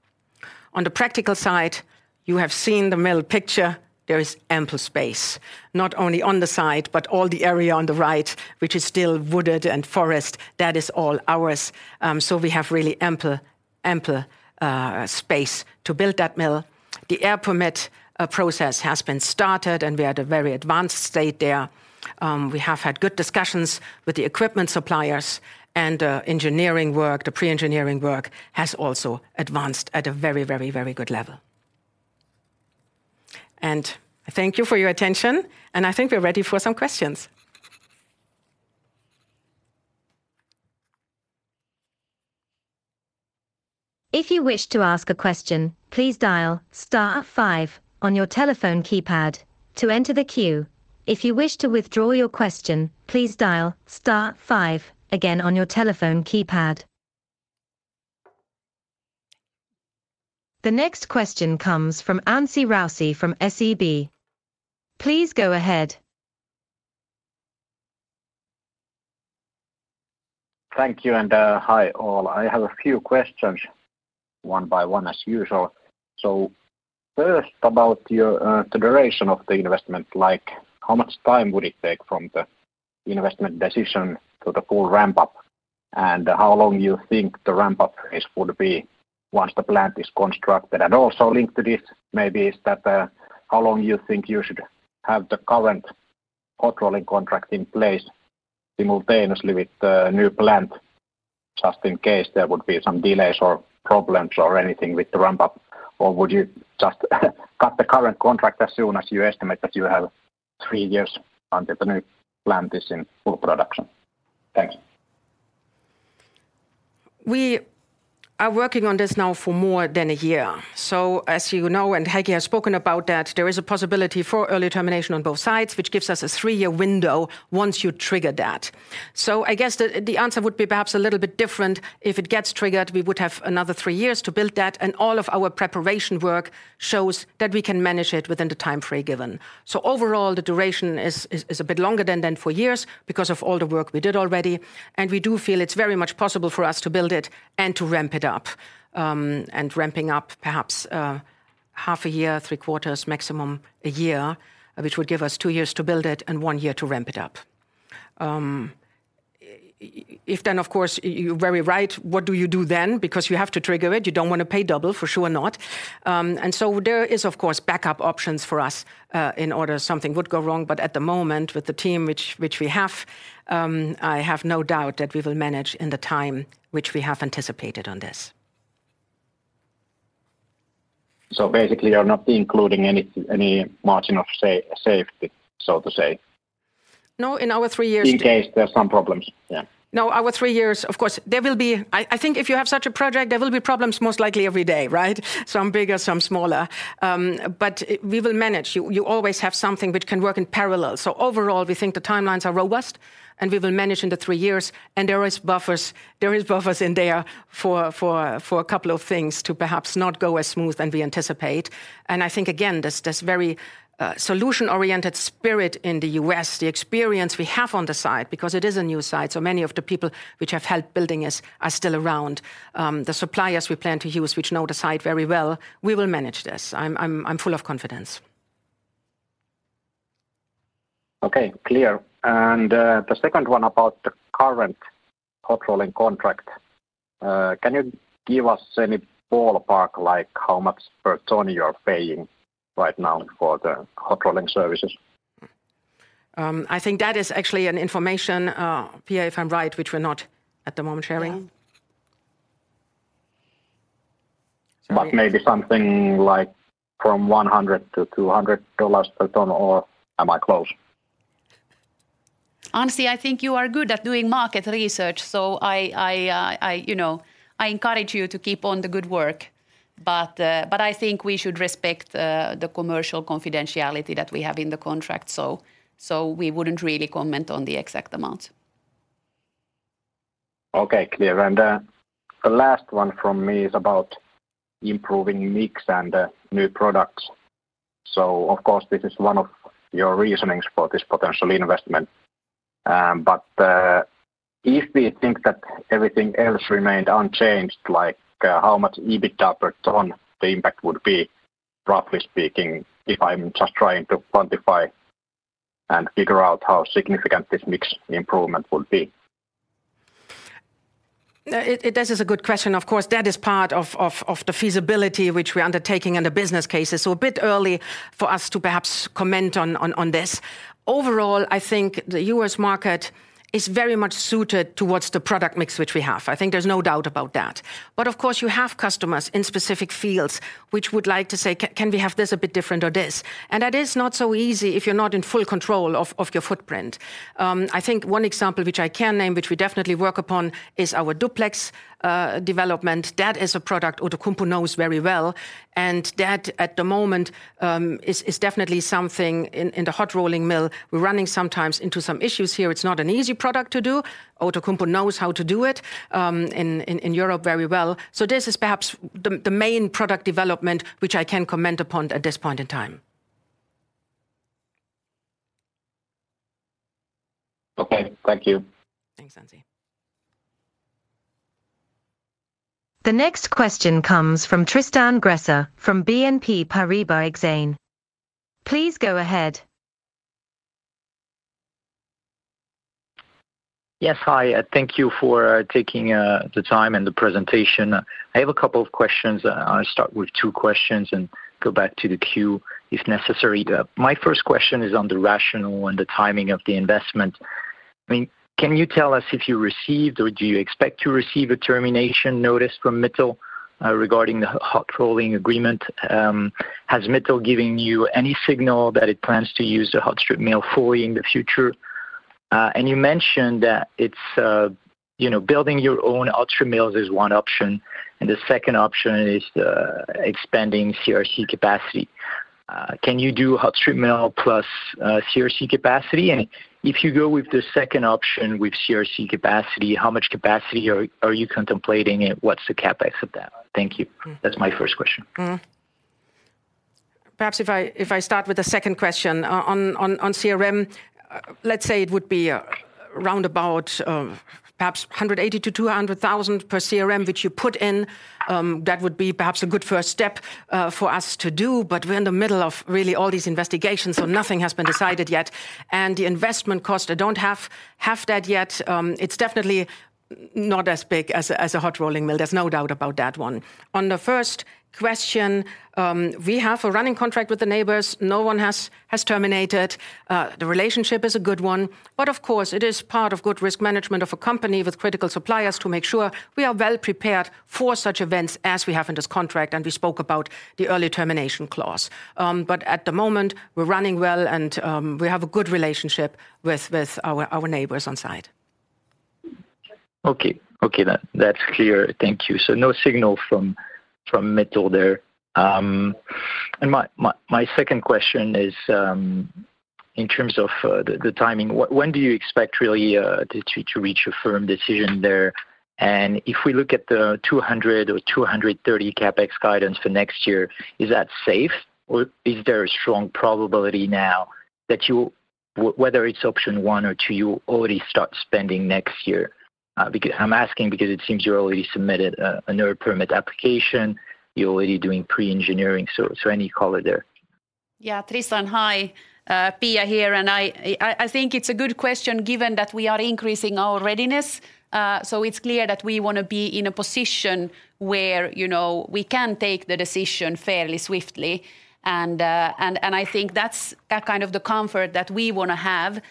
On the practical side, you have seen the mill picture. There is ample space, not only on the side, but all the area on the right, which is still wooded and forest, that is all ours. We have really ample, ample space to build that mill. The air permit process has been started, and we are at a very advanced state there. We have had good discussions with the equipment suppliers and engineering work, the pre-engineering work has also advanced at a very, very, very good level... and I thank you for your attention, and I think we're ready for some questions. If you wish to ask a question, please dial star five on your telephone keypad to enter the queue. If you wish to withdraw your question, please dial star five again on your telephone keypad. The next question comes from Anssi Kiviniemi from SEB. Please go ahead. Thank you, and, hi, all. I have a few questions, one by one, as usual. So first, about your, the duration of the investment, like, how much time would it take from the investment decision to the full ramp-up? And how long you think the ramp-up is, would be once the plant is constructed? And also linked to this maybe is that, how long you think you should have the current hot rolling contract in place simultaneously with the new plant, just in case there would be some delays or problems or anything with the ramp-up? Or would you just cut the current contract as soon as you estimate that you have three years until the new plant is in full production? Thank you. We are working on this now for more than a year. So as you know, and Heikki has spoken about that, there is a possibility for early termination on both sides, which gives us a 3-year window once you trigger that. So I guess the answer would be perhaps a little bit different. If it gets triggered, we would have another 3 years to build that, and all of our preparation work shows that we can manage it within the time frame given. So overall, the duration is a bit longer than 4 years because of all the work we did already, and we do feel it's very much possible for us to build it and to ramp it up. Ramping up perhaps half a year, three quarters, maximum a year, which would give us two years to build it and one year to ramp it up. If then, of course, you're very right, what do you do then? Because you have to trigger it. You don't want to pay double, for sure not. There is, of course, backup options for us in order if something would go wrong. At the moment, with the team which we have, I have no doubt that we will manage in the time which we have anticipated on this. Basically, you're not including any margin of safety, so to say? No, in our three years- In case there are some problems, yeah. No, our three years, of course, there will be... I think if you have such a project, there will be problems most likely every day, right? Some bigger, some smaller, but we will manage. You always have something which can work in parallel. So overall, we think the timelines are robust, and we will manage in the three years, and there is buffers. There is buffers in there for a couple of things to perhaps not go as smooth as we anticipate. And I think, again, this very solution-oriented spirit in the U.S., the experience we have on the site, because it is a new site, so many of the people which have helped building this are still around. The suppliers we plan to use, which know the site very well, we will manage this. I'm full of confidence. Okay, clear. The second one about the current hot rolling contract, can you give us any ballpark, like how much per ton you are paying right now for the hot rolling services? I think that is actually an information, Pia, if I'm right, which we're not at the moment sharing. Yeah. Maybe something like $100-$200 per ton, or am I close? Anssi, I think you are good at doing market research, so you know, I encourage you to keep on the good work. But but I think we should respect the commercial confidentiality that we have in the contract, so we wouldn't really comment on the exact amount. Okay, clear. The last one from me is about improving mix and new products. Of course, this is one of your reasonings for this potential investment. But if we think that everything else remained unchanged, like, how much EBIT per ton the impact would be, roughly speaking, if I'm just trying to quantify and figure out how significant this mix improvement would be? It, this is a good question. Of course, that is part of the feasibility which we're undertaking in the business cases, so a bit early for us to perhaps comment on this. Overall, I think the U.S. market is very much suited towards the product mix which we have. I think there's no doubt about that. But of course, you have customers in specific fields which would like to say, "Can we have this a bit different or this?" And that is not so easy if you're not in full control of your footprint. I think one example which I can name, which we definitely work upon, is our Duplex development. That is a product Outokumpu knows very well, and that, at the moment, is definitely something in the hot rolling mill, we're running sometimes into some issues here. It's not an easy product to do. Outokumpu knows how to do it in Europe very well. So this is perhaps the main product development which I can comment upon at this point in time. Okay. Thank you. Thanks, Anssi. The next question comes from Tristan Gresser from BNP Paribas Exane. Please go ahead. Yes. Hi, thank you for taking the time and the presentation. I have a couple of questions. I'll start with two questions and go back to the queue if necessary. My first question is on the rationale and the timing of the investment. I mean, can you tell us if you received or do you expect to receive a termination notice from Mittal regarding the hot rolling agreement? Has Mittal given you any signal that it plans to use the hot strip mill fully in the future? You mentioned that it's, you know, building your own hot strip mills is one option, and the second option is expanding CRC capacity. Can you do hot strip mill plus CRC capacity? If you go with the second option, with CRC capacity, how much capacity are you contemplating, and what's the CapEx of that? Thank you. Mm. That's my first question. Perhaps if I start with the second question. On CRM, let's say it would be round about 180,000-200,000 per CRM, which you put in. That would be perhaps a good first step for us to do, but we're in the middle of really all these investigations, so nothing has been decided yet. The investment cost, I don't have that yet. It's definitely not as big as a hot rolling mill, there's no doubt about that one. On the first question, we have a running contract with the neighbors. No one has terminated. The relationship is a good one, but of course, it is part of good risk management of a company with critical suppliers to make sure we are well prepared for such events as we have in this contract, and we spoke about the early termination clause. But at the moment, we're running well, and we have a good relationship with our neighbors on site. Okay. Okay, that, that's clear. Thank you. So no signal from Mittal there. And my second question is, in terms of the timing, when do you expect really to reach a firm decision there? And if we look at the 200 or 230 CapEx guidance for next year, is that safe, or is there a strong probability now that you whether it's option one or two, you already start spending next year? Because I'm asking because it seems you already submitted an ER permit application, you're already doing pre-engineering, so any color there? Yeah, Tristan, hi, Pia here, and I think it's a good question given that we are increasing our readiness. It's clear that we wanna be in a position where, you know, we can take the decision fairly swiftly. I think that's kind of the comfort that we wanna have,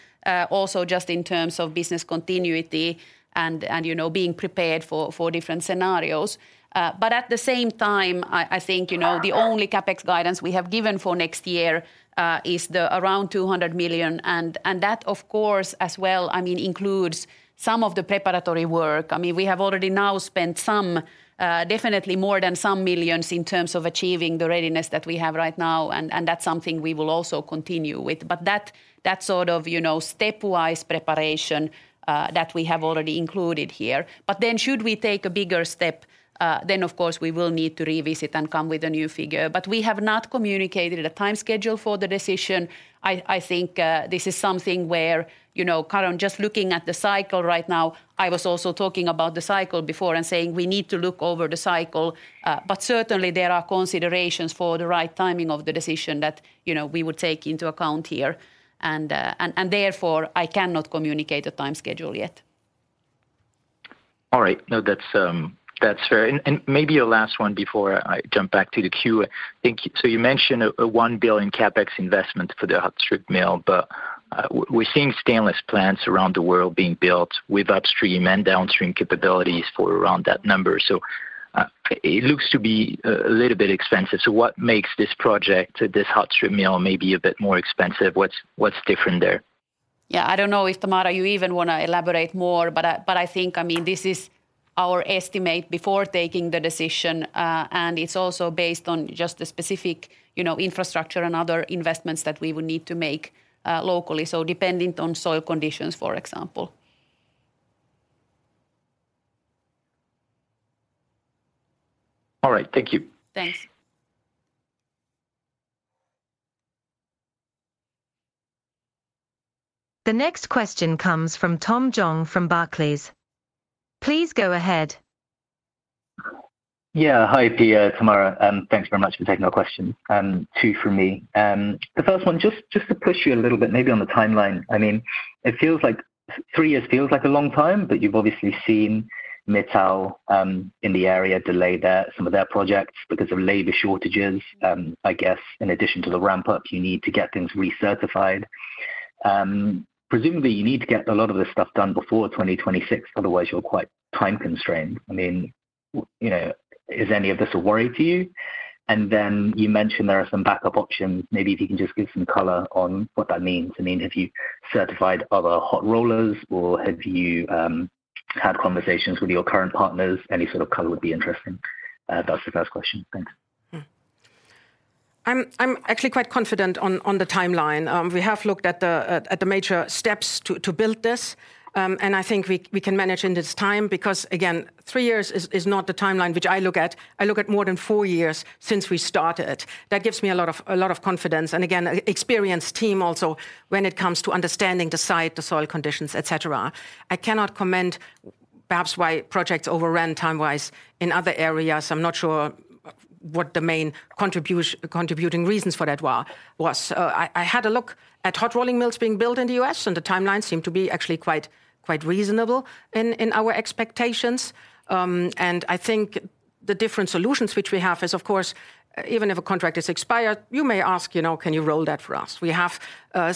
also just in terms of business continuity and, you know, being prepared for different scenarios. At the same time, I think, you know, the only CapEx guidance we have given for next year is the around 200 million, and that, of course, as well, I mean, includes some of the preparatory work. I mean, we have already now spent some, definitely more than some millions in terms of achieving the readiness that we have right now, and that's something we will also continue with. But that, that sort of, you know, stepwise preparation, that we have already included here. But then, should we take a bigger step, then, of course, we will need to revisit and come with a new figure. But we have not communicated a time schedule for the decision. I, I think, this is something where, you know, current... just looking at the cycle right now, I was also talking about the cycle before and saying we need to look over the cycle. But certainly, there are considerations for the right timing of the decision that, you know, we would take into account here, and therefore, I cannot communicate a time schedule yet. All right. No, that's fair. Maybe a last one before I jump back to the queue. I think... You mentioned a $1 billion CapEx investment for the hot strip mill, but we're seeing stainless plants around the world being built with upstream and downstream capabilities for around that number, so it looks to be a little bit expensive. What makes this project, this hot strip mill, maybe a bit more expensive? What's different there? Yeah, I don't know if, Tamara, you even wanna elaborate more, but I, but I think, I mean, this is our estimate before taking the decision, and it's also based on just the specific, you know, infrastructure and other investments that we would need to make, locally, so dependent on soil conditions, for example. All right. Thank you. Thanks. The next question comes from Tom Zhang from Barclays. Please go ahead. Yeah. Hi, Pia, Tamara, thanks very much for taking our question, two for me. The first one, just to push you a little bit, maybe on the timeline. I mean, it feels like... 3 years feels like a long time, but you've obviously seen Mittal in the area delay some of their projects because of labor shortages. I guess in addition to the ramp-up, you need to get things recertified. Presumably, you need to get a lot of this stuff done before 2026, otherwise, you're quite time-constrained. I mean, you know, is any of this a worry to you? You mentioned there are some backup options. Maybe if you can just give some color on what that means. I mean, have you certified other hot rollers, or have you had conversations with your current partners? Any sort of color would be interesting. That's the first question. Thanks. I'm, I'm actually quite confident on, on the timeline. We have looked at the, at the major steps to, to build this, and I think we, we can manage in this time, because again, 3 years is, is not the timeline which I look at. I look at more than 4 years since we started. That gives me a lot of, a lot of confidence, and again, a experienced team also, when it comes to understanding the site, the soil conditions, et cetera. I cannot comment perhaps why projects overran time-wise in other areas. I'm not sure what the main contributing reasons for that were, was. I, I had a look at hot rolling mills being built in the U.S., and the timelines seem to be actually quite, quite reasonable in, in our expectations. And I think-... the different solutions which we have is, of course, even if a contract is expired, you may ask, you know, "Can you roll that for us?" We have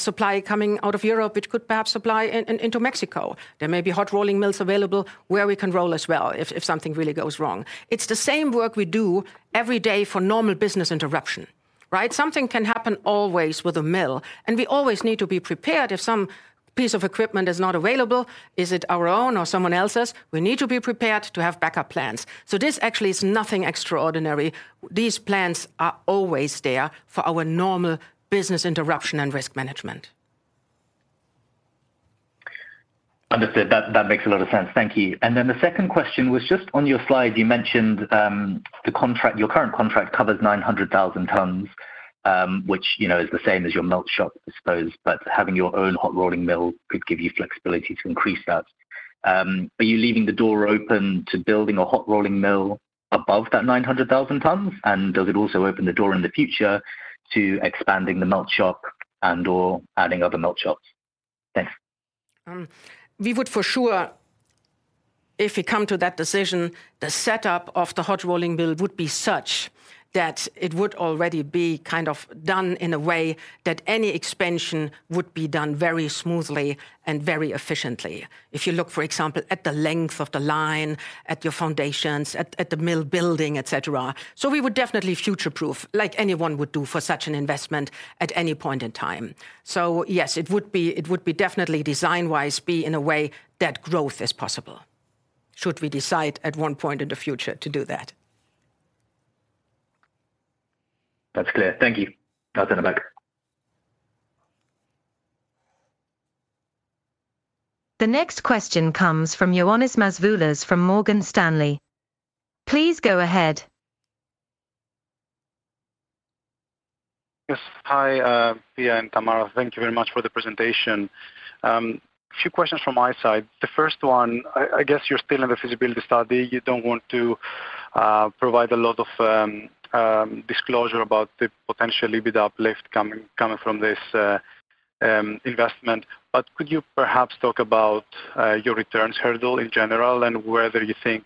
supply coming out of Europe, which could perhaps supply into Mexico. There may be hot rolling mills available where we can roll as well if something really goes wrong. It's the same work we do every day for normal business interruption, right? Something can happen always with a mill, and we always need to be prepared if some piece of equipment is not available, is it our own or someone else's, we need to be prepared to have backup plans. So this actually is nothing extraordinary. These plans are always there for our normal business interruption and risk management. Understood. That makes a lot of sense. Thank you. And then the second question was just on your slide. You mentioned the contract. Your current contract covers 900,000 tons, which, you know, is the same as your melt shop, I suppose, but having your own hot rolling mill could give you flexibility to increase that. Are you leaving the door open to building a hot rolling mill above that 900,000 tons? And does it also open the door in the future to expanding the melt shop and/or adding other melt shops? Thanks. We would for sure, if we come to that decision, the setup of the hot rolling mill would be such that it would already be kind of done in a way that any expansion would be done very smoothly and very efficiently. If you look, for example, at the length of the line, at your foundations, at the mill building, et cetera. So we would definitely future-proof, like anyone would do for such an investment at any point in time. So yes, it would be, it would be definitely, design-wise, be in a way that growth is possible, should we decide at one point in the future to do that. That's clear. Thank you. That's in the back. The next question comes from Ioannis Masvoulas from Morgan Stanley. Please go ahead. Yes. Hi, Pia and Tamara. Thank you very much for the presentation. A few questions from my side. The first one, I guess you're still in the feasibility study. You don't want to provide a lot of disclosure about the potential EBITDA uplift coming from this investment. Could you perhaps talk about your returns hurdle in general, and whether you think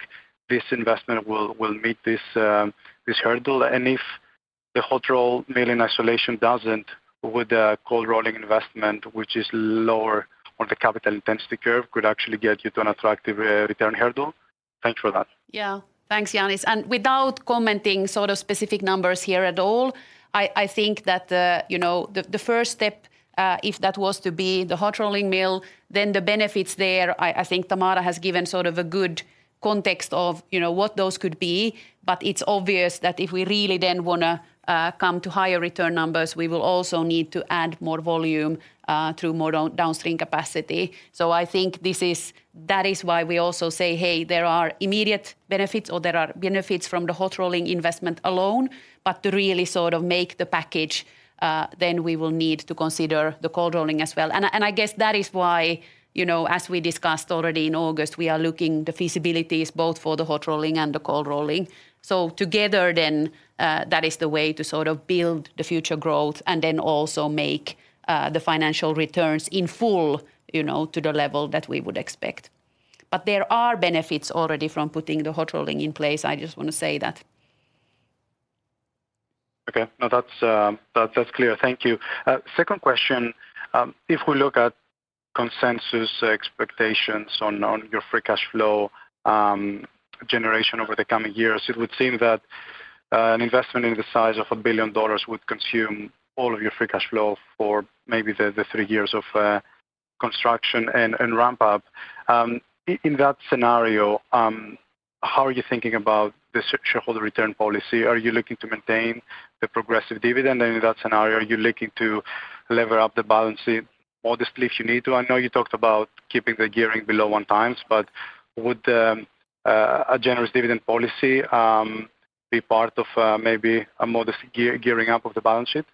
this investment will meet this hurdle? If the hot roll mill in isolation doesn't, would the cold rolling investment, which is lower on the capital intensity curve, actually get you to an attractive return hurdle? Thanks for that. Yeah. Thanks, Ioannis. And without commenting sort of specific numbers here at all, I think that the, you know, the first step, if that was to be the hot rolling mill, then the benefits there, I think Tamara has given sort of a good context of, you know, what those could be. But it's obvious that if we really then wanna come to higher return numbers, we will also need to add more volume through more downstream capacity. So I think that is why we also say, "Hey, there are immediate benefits," or, "There are benefits from the hot rolling investment alone," but to really sort of make the package, then we will need to consider the cold rolling as well. I guess that is why, you know, as we discussed already in August, we are looking the feasibilities both for the hot rolling and the cold rolling. So together then, that is the way to sort of build the future growth and then also make the financial returns in full, you know, to the level that we would expect. But there are benefits already from putting the hot rolling in place, I just want to say that. Okay. No, that's, that, that's clear. Thank you. Second question: if we look at consensus expectations on your free cash flow generation over the coming years, it would seem that an investment in the size of $1 billion would consume all of your free cash flow for maybe the 3 years of construction and ramp up. In that scenario, how are you thinking about the shareholder return policy? Are you looking to maintain the progressive dividend? And in that scenario, are you looking to lever up the balance sheet modestly, if you need to? I know you talked about keeping the gearing below 1x, but would a generous dividend policy be part of maybe a modest gearing up of the balance sheet?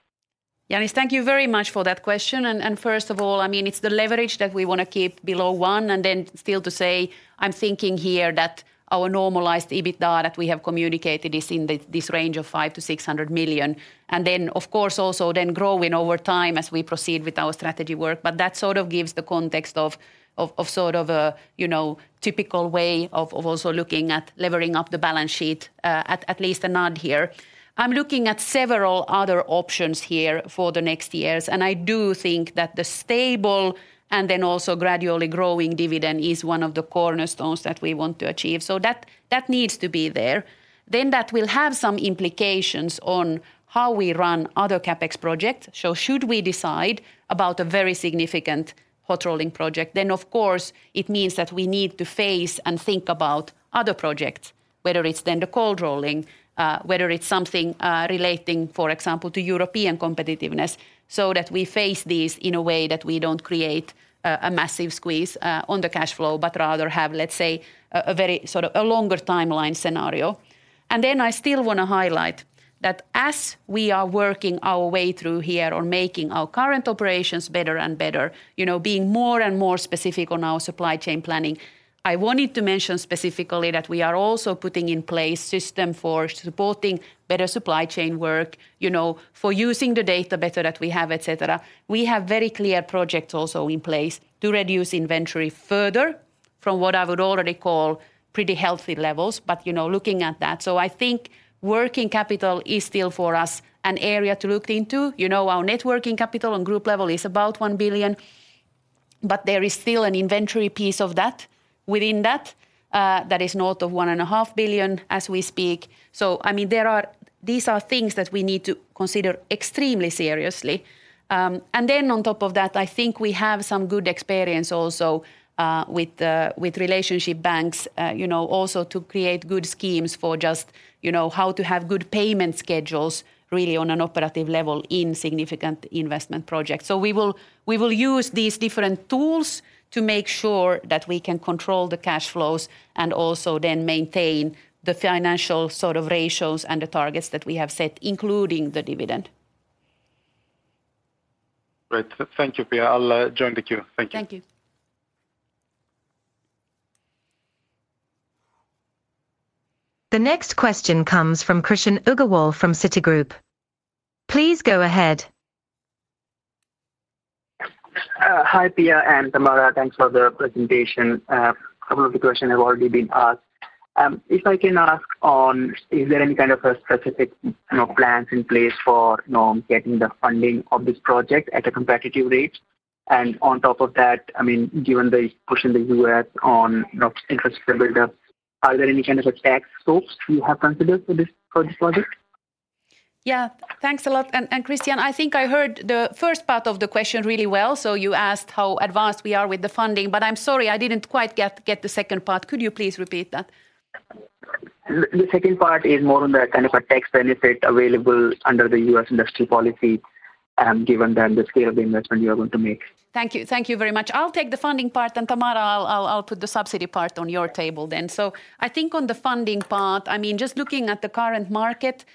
Ioannis, thank you very much for that question. First of all, I mean, it's the leverage that we wanna keep below 1, and still to say, I'm thinking here that our normalized EBITDA that we have communicated is in this range of 500 million-600 million. Of course, also then growing over time as we proceed with our strategy work. That sort of gives the context of, you know, a typical way of also looking at levering up the balance sheet, at least a nod here. I'm looking at several other options here for the next years, and I do think that the stable and then also gradually growing dividend is one of the cornerstones that we want to achieve. That needs to be there. Then that will have some implications on how we run other CapEx projects. So should we decide about a very significant hot rolling project, then of course, it means that we need to face and think about other projects, whether it's then the cold rolling, whether it's something relating, for example, to European competitiveness, so that we face these in a way that we don't create a massive squeeze on the cash flow, but rather have, let's say, a very sort of a longer timeline scenario. Then I still wanna highlight that as we are working our way through here on making our current operations better and better, you know, being more and more specific on our supply chain planning, I wanted to mention specifically that we are also putting in place system for supporting better supply chain work, you know, for using the data better that we have, et cetera. We have very clear projects also in place to reduce inventory further from what I would already call pretty healthy levels, but, you know, looking at that. I think working capital is still for us an area to look into. You know, our net working capital on group level is about 1 billion, but there is still an inventory piece of that, within that, that is north of 1.5 billion as we speak. I mean, these are things that we need to consider extremely seriously. And then on top of that, I think we have some good experience also with relationship banks, you know, also to create good schemes for just, you know, how to have good payment schedules really on an operative level in significant investment projects. We will, we will use these different tools to make sure that we can control the cash flows and also then maintain the financial sort of ratios and the targets that we have set, including the dividend. Great. Thank you, Pia. I'll join the queue. Thank you. Thank you. The next question comes from Krishan Agarwal from Citigroup. Please go ahead. Hi, Pia and Tamara. Thanks for the presentation. A couple of the questions have already been asked. If I can ask on, is there any kind of a specific, you know, plans in place for, you know, getting the funding of this project at a competitive rate? And on top of that, I mean, given the push in the U.S. on, you know, infrastructure build-up, are there any kind of a tax scopes you have considered for this, for this project? Yeah. Thanks a lot. And, and Krishan, I think I heard the first part of the question really well, so you asked how advanced we are with the funding, but I'm sorry, I didn't quite get, get the second part. Could you please repeat that? The second part is more on the kind of a tax benefit available under the U.S. industry policy, given then the scale of the investment you are going to make. Thank you. Thank you very much. I'll take the funding part, and Tamara, I'll put the subsidy part on your table then. I think on the funding part, I mean, just looking at the current market,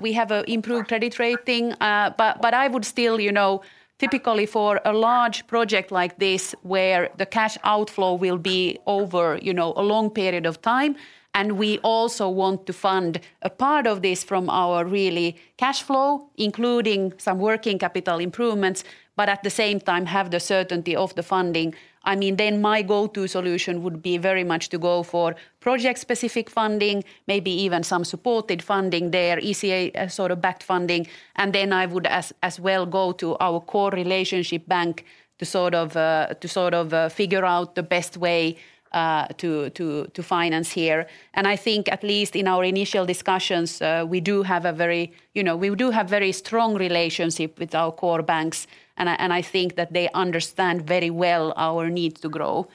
we have an improved credit rating, but I would still, you know, typically for a large project like this, where the cash outflow will be over a long period of time, and we also want to fund a part of this from our really cash flow, including some working capital improvements, but at the same time have the certainty of the funding, I mean, then my go-to solution would be very much to go for project-specific funding, maybe even some supported funding there, ECA sort of backed funding. I would as well go to our core relationship bank to sort of figure out the best way to finance here. I think at least in our initial discussions, we do have a very... You know, we do have very strong relationship with our core banks, and I think that they understand very well our need to grow.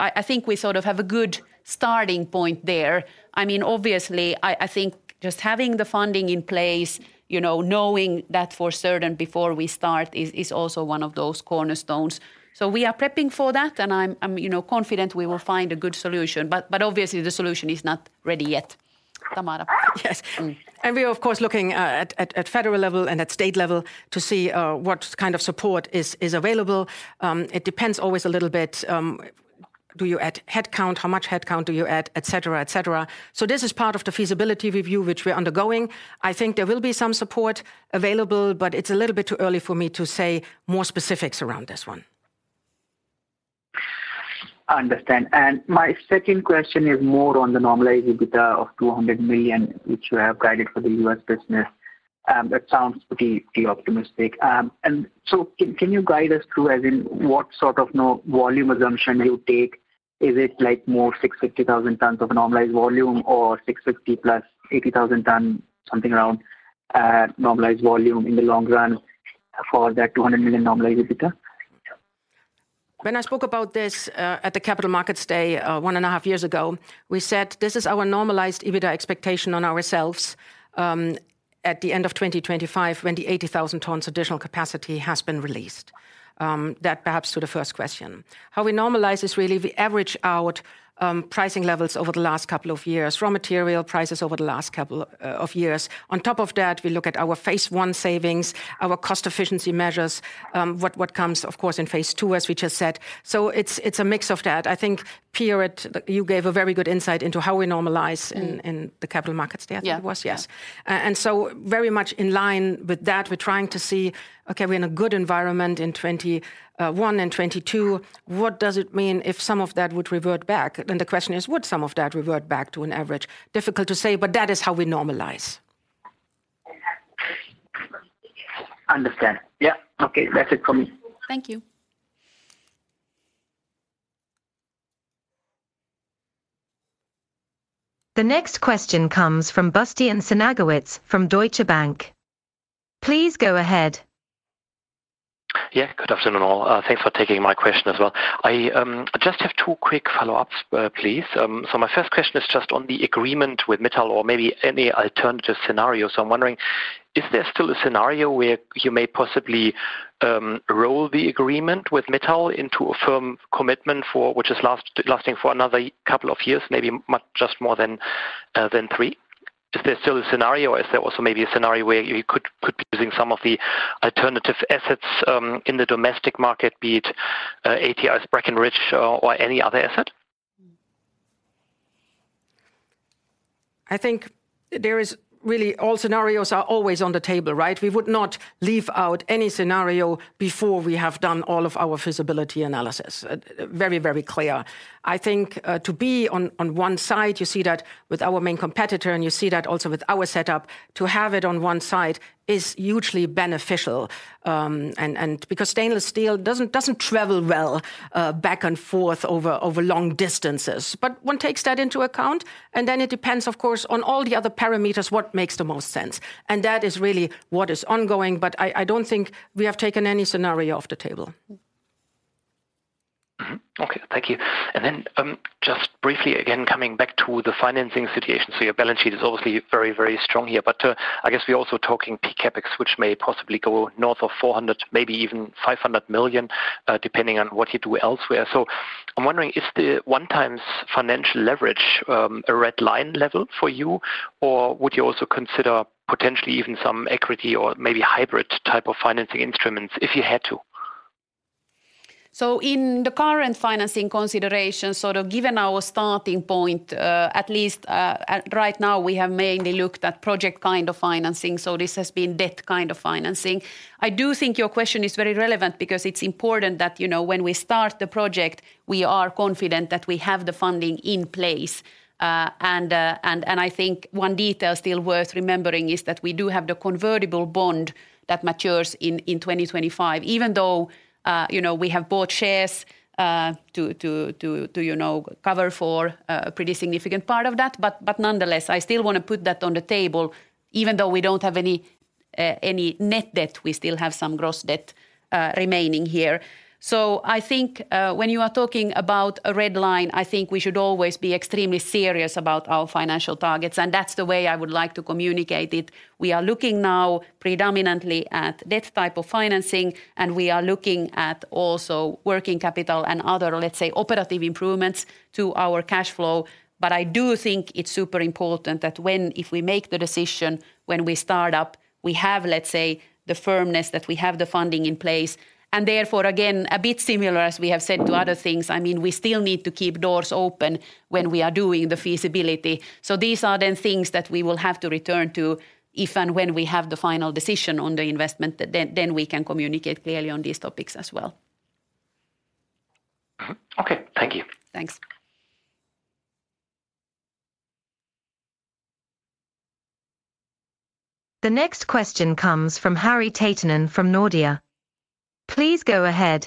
I think we sort of have a good starting point there. I mean, obviously, I think just having the funding in place, you know, knowing that for certain before we start, is also one of those cornerstones. We are prepping for that, and I'm, you know, confident we will find a good solution, but obviously the solution is not ready yet. Tamara? Yes. And we are of course looking at federal level and at state level to see what kind of support is available. It depends always a little bit, do you add headcount, how much headcount do you add, et cetera, et cetera. So this is part of the feasibility review which we're undergoing. I think there will be some support available, but it's a little bit too early for me to say more specifics around this one. Understand. My second question is more on the normalized EBITDA of 200 million, which you have guided for the U.S. business. That sounds pretty optimistic. And so can you guide us through, as in what sort of, you know, volume assumption you take? Is it like more 650,000 tons of normalized volume or 650 plus 80,000 ton, something around, at normalized volume in the long run for that 200 million normalized EBITDA? When I spoke about this at the Capital Markets Day 1.5 years ago, we said this is our normalized EBITDA expectation on ourselves at the end of 2025, when the 80,000 tons additional capacity has been released. That perhaps to the first question. How we normalize is really we average out pricing levels over the last couple of years, raw material prices over the last couple of years. On top of that, we look at our phase one savings, our cost efficiency measures, what comes of course in phase two, as we just said. So it's a mix of that. I think, Pia, you gave a very good insight into how we normalize in - Mm. In the Capital Markets Day, I think it was. Yeah. Yeah. Yes. And so very much in line with that, we're trying to see, okay, we're in a good environment in twenty-one and twenty-two. What does it mean if some of that would revert back? Then the question is: Would some of that revert back to an average? Difficult to say, but that is how we normalize. Understand. Yeah. Okay, that's it for me. Thank you. The next question comes from Bastian Synagowitz from Deutsche Bank. Please go ahead. Yeah, good afternoon, all. Thanks for taking my question as well. I just have two quick follow-ups, please. My first question is just on the agreement with Mittal or maybe any alternative scenario. I'm wondering, is there still a scenario where you may possibly roll the agreement with Mittal into a firm commitment which is lasting for another couple of years, maybe much, just more than three? Is there still a scenario, or is there also maybe a scenario where you could be using some of the alternative assets in the domestic market, be it ATI's Brackenridge or any other asset?... I think there is really all scenarios are always on the table, right? We would not leave out any scenario before we have done all of our feasibility analysis, very, very clear. I think, to be on one side, you see that with our main competitor, and you see that also with our setup, to have it on one side is hugely beneficial. And because stainless steel doesn't travel well, back and forth over long distances. But one takes that into account, and then it depends, of course, on all the other parameters, what makes the most sense, and that is really what is ongoing. But I don't think we have taken any scenario off the table. Mm-hmm. Okay, thank you. And then, just briefly, again, coming back to the financing situation. So your balance sheet is obviously very, very strong here, but, I guess we're also talking peak CapEx, which may possibly go north of 400 million, maybe even 500 million, depending on what you do elsewhere. So I'm wondering, is the 1x financial leverage a red-line level for you, or would you also consider potentially even some equity or maybe hybrid type of financing instruments if you had to? In the current financing consideration, given our starting point, at least right now, we have mainly looked at project kind of financing, so this has been debt kind of financing. I do think your question is very relevant because it's important that, you know, when we start the project, we are confident that we have the funding in place. I think one detail still worth remembering is that we do have the convertible bond that matures in 2025, even though, you know, we have bought shares to cover for a pretty significant part of that. Nonetheless, I still want to put that on the table. Even though we don't have any net debt, we still have some gross debt remaining here. I think when you are talking about a red line, I think we should always be extremely serious about our financial targets, and that's the way I would like to communicate it. We are looking now predominantly at debt type of financing, and we are looking at also working capital and other, let's say, operative improvements to our cash flow. I do think it's super important that when... if we make the decision when we start up, we have, let's say, the firmness, that we have the funding in place, and therefore, again, a bit similar, as we have said to other things, I mean, we still need to keep doors open when we are doing the feasibility. These are the things that we will have to return to if and when we have the final decision on the investment, then we can communicate clearly on these topics as well. Mm-hmm. Okay. Thank you. Thanks. The next question comes from Harri Taittonen from Nordea. Please go ahead.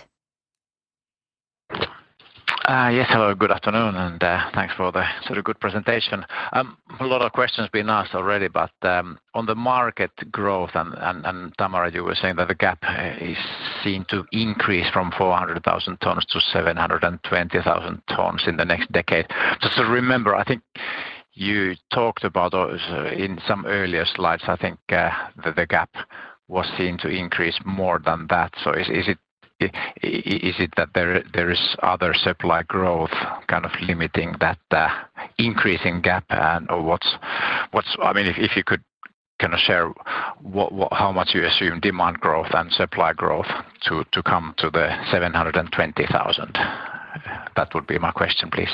Yes, hello, good afternoon, and thanks for the sort of good presentation. A lot of questions been asked already, but on the market growth, Tamara, you were saying that the gap is seen to increase from 400,000 tons to 720,000 tons in the next decade. Just to remember, I think you talked about, in some earlier slides, I think the gap was seen to increase more than that. Is it that there is other supply growth kind of limiting that increasing gap? And/or what's, what's... I mean, if you could kinda share what, how much you assume demand growth and supply growth to come to the 720,000. That would be my question, please.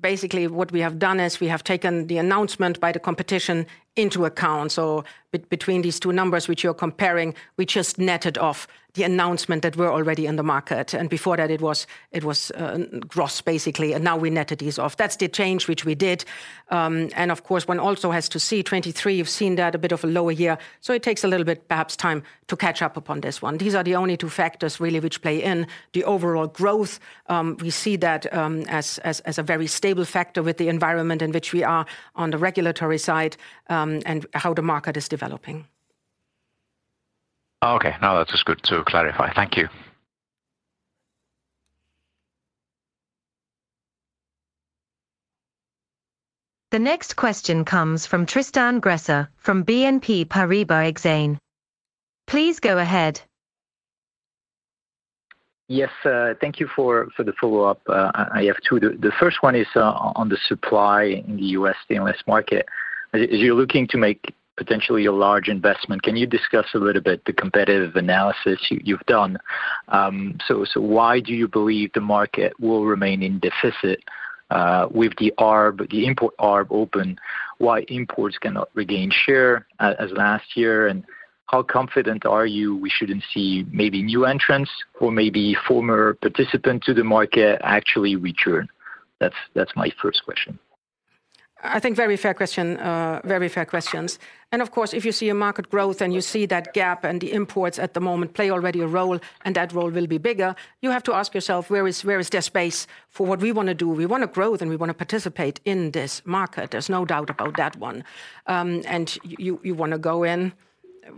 Basically, what we have done is we have taken the announcement by the competition into account. So between these two numbers, which you're comparing, we just netted off the announcement that we're already in the market, and before that, it was, it was, gross, basically, and now we netted these off. That's the change which we did. And of course, one also has to see 2023. You've seen that a bit of a lower year, so it takes a little bit, perhaps, time to catch up upon this one. These are the only two factors really which play in the overall growth. We see that as a very stable factor with the environment in which we are on the regulatory side, and how the market is developing. Okay. No, that's just good to clarify. Thank you. The next question comes from Tristan Gresser from BNP Paribas Exane. Please go ahead. Yes, thank you for the follow-up. I have two. The first one is on the supply in the U.S. stainless market. As you're looking to make potentially a large investment, can you discuss a little bit the competitive analysis you've done? So why do you believe the market will remain in deficit with the arb, the import arb open? Why imports cannot regain share as last year, and how confident are you we shouldn't see maybe new entrants or maybe former participant to the market actually return? That's my first question. I think very fair question. Very fair questions. And of course, if you see a market growth and you see that gap and the imports at the moment play already a role, and that role will be bigger, you have to ask yourself: Where is, where is there space for what we wanna do? We wanna grow, and we wanna participate in this market. There's no doubt about that one. And you, you wanna go in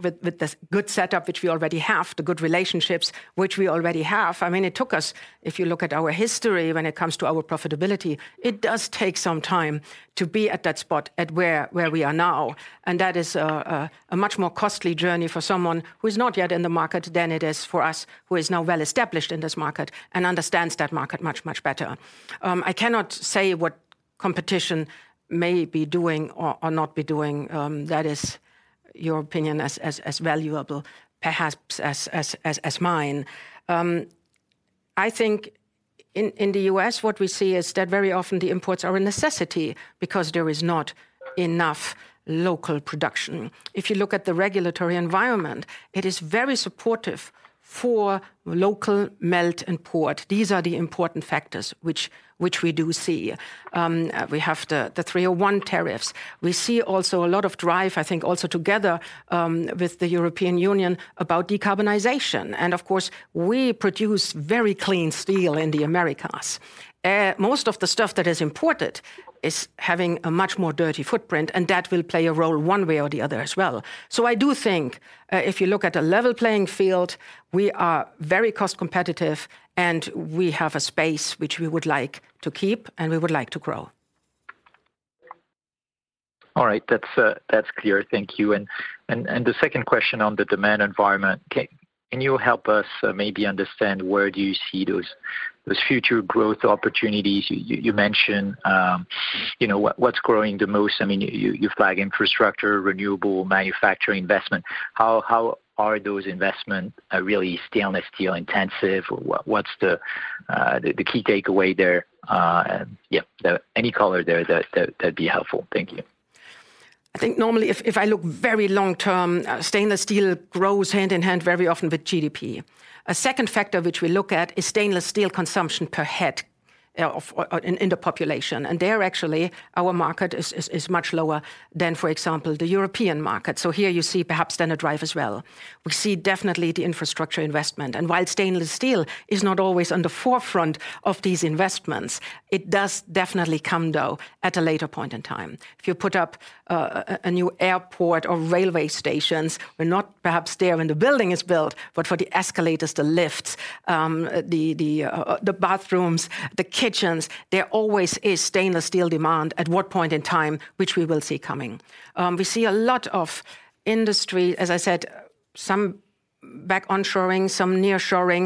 with, with this good setup, which we already have, the good relationships which we already have. I mean, it took us... If you look at our history, when it comes to our profitability, it does take some time to be at that spot where we are now, and that is a much more costly journey for someone who is not yet in the market than it is for us, who is now well-established in this market and understands that market much, much better. I cannot say what competition may be doing or not be doing. That is your opinion as valuable, perhaps as mine. I think in the U.S., what we see is that very often the imports are a necessity because there is not enough local production. If you look at the regulatory environment, it is very supportive for local melt import. These are the important factors which we do see. We have the 301 tariffs. We see also a lot of drive, I think, also together with the European Union, about decarbonization. Of course, we produce very clean steel in the Americas. Most of the stuff that is imported is having a much more dirty footprint, and that will play a role one way or the other as well. I do think, if you look at a level playing field, we are very cost competitive, and we have a space which we would like to keep, and we would like to grow. All right. That's, that's clear. Thank you. And the second question on the demand environment. Can you help us maybe understand where do you see those future growth opportunities? You mention, you know, what's growing the most? I mean, you flag infrastructure, renewable, manufacturing investment. How are those investment really stainless steel intensive? What's the key takeaway there? Yeah, then any color there, that'd be helpful. Thank you. I think normally if I look very long term, stainless steel grows hand in hand very often with GDP. A second factor which we look at is stainless steel consumption per head of in the population, and there, actually, our market is much lower than, for example, the European market. So here you see perhaps then a drive as well. We see definitely the infrastructure investment, and while stainless steel is not always on the forefront of these investments, it does definitely come, though, at a later point in time. If you put up a new airport or railway stations, we're not perhaps there when the building is built, but for the escalators, the lifts, the bathrooms, the kitchens, there always is stainless steel demand at what point in time, which we will see coming. We see a lot of industry, as I said, some back onshoring, some nearshoring.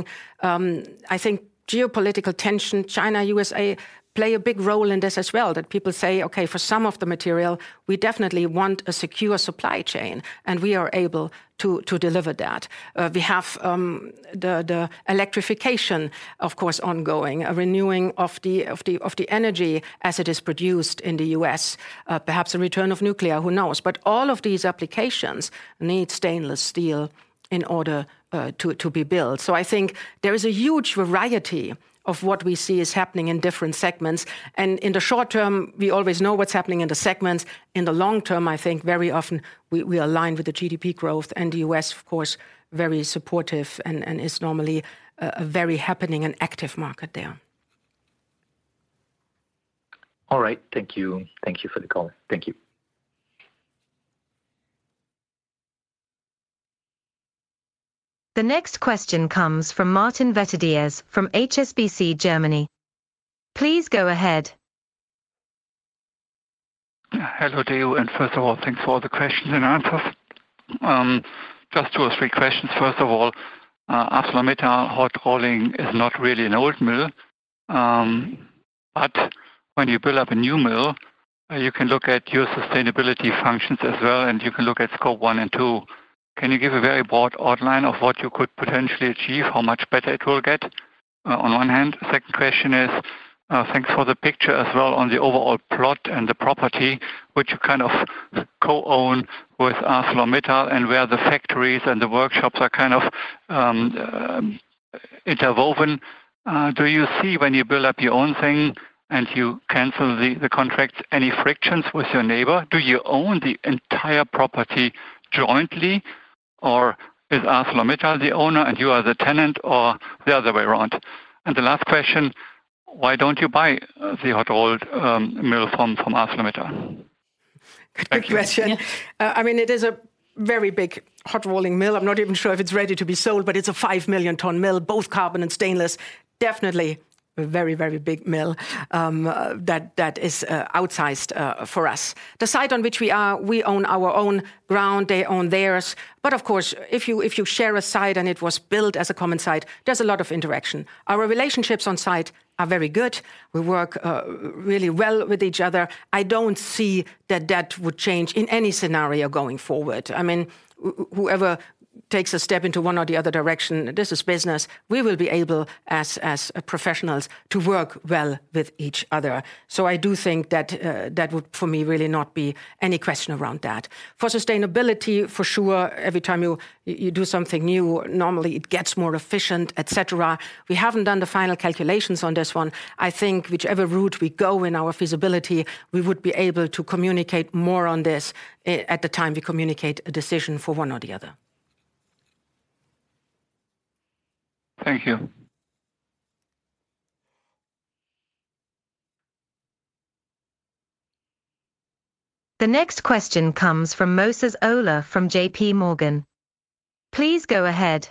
I think geopolitical tension, China, USA, play a big role in this as well, that people say, "Okay, for some of the material, we definitely want a secure supply chain," and we are able to, to deliver that. We have the electrification, of course, ongoing, a renewing of the energy as it is produced in the US. Perhaps a return of nuclear, who knows? All of these applications need stainless steel in order to be built. I think there is a huge variety of what we see is happening in different segments, and in the short term, we always know what's happening in the segments. In the long term, I think very often we align with the GDP growth and the US, of course, very supportive and is normally a very happening and active market there. All right. Thank you. Thank you for the call. Thank you. The next question comes from Martin Vetter Diaz from HSBC Germany. Please go ahead. Hello to you, and first of all, thanks for all the questions and answers. Just two or three questions. First of all, ArcelorMittal hot rolling is not really an old mill, but when you build up a new mill, you can look at your sustainability functions as well, and you can look at Scope 1 and 2. Can you give a very broad outline of what you could potentially achieve, how much better it will get, on one hand? Second question is, thanks for the picture as well on the overall plot and the property, which you kind of co-own with ArcelorMittal and where the factories and the workshops are kind of interwoven. Do you see, when you build up your own thing and you cancel the contract, any frictions with your neighbor? Do you own the entire property jointly, or is ArcelorMittal the owner and you are the tenant, or the other way around? And the last question: Why don't you buy the hot rolled mill from ArcelorMittal? Good question. I mean, it is a very big hot rolling mill. I'm not even sure if it's ready to be sold, but it's a 5 million ton mill, both carbon and stainless. Definitely a very, very big mill, that, that is, outsized, for us. The site on which we are, we own our own ground, they own theirs. But of course, if you, if you share a site and it was built as a common site, there's a lot of interaction. Our relationships on site are very good. We work, really well with each other. I don't see that that would change in any scenario going forward. I mean, whoever takes a step into one or the other direction, this is business. We will be able, as, as professionals, to work well with each other. So I do think that, that would, for me, really not be any question around that. For sustainability, for sure, every time you do something new, normally it gets more efficient, et cetera. We haven't done the final calculations on this one. I think whichever route we go in our feasibility, we would be able to communicate more on this at the time we communicate a decision for one or the other. Thank you. The next question comes from Moses Ola from J.P. Morgan. Please go ahead.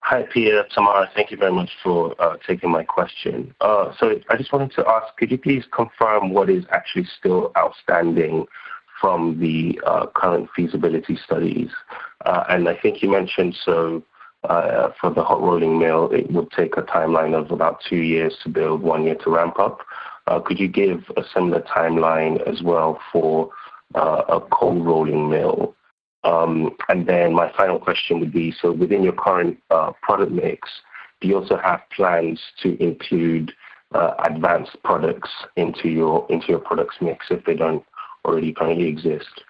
Hi, Pia, Tamara, thank you very much for taking my question. I just wanted to ask: Could you please confirm what is actually still outstanding from the current feasibility studies? And I think you mentioned for the hot rolling mill, it would take a timeline of about two years to build, one year to ramp up... could you give a similar timeline as well for a cold rolling mill? And then my final question would be: so within your current product mix, do you also have plans to include advanced products into your, into your product mix if they don't already currently exist?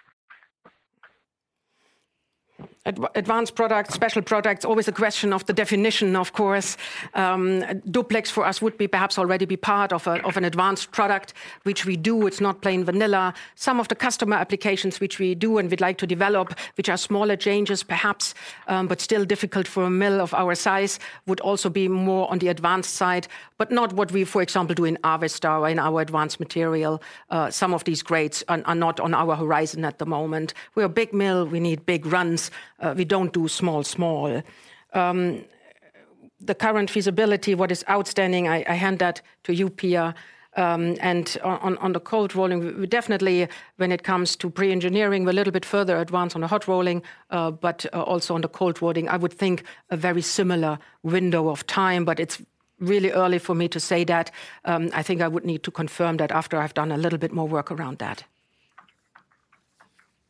Advanced products, special products, always a question of the definition, of course. Duplex for us would be perhaps already be part of an advanced product, which we do. It's not plain vanilla. Some of the customer applications which we do and we'd like to develop, which are smaller changes perhaps, but still difficult for a mill of our size, would also be more on the advanced side, but not what we, for example, do in Avesta or in our advanced material. Some of these grades are not on our horizon at the moment. We're a big mill, we need big runs. We don't do small, small. The current feasibility, what is outstanding, I hand that to you, Pia. And on the cold rolling, definitely when it comes to pre-engineering, we're a little bit further advanced on the hot rolling, but also on the cold rolling, I would think a very similar window of time, but it's really early for me to say that. I think I would need to confirm that after I've done a little bit more work around that.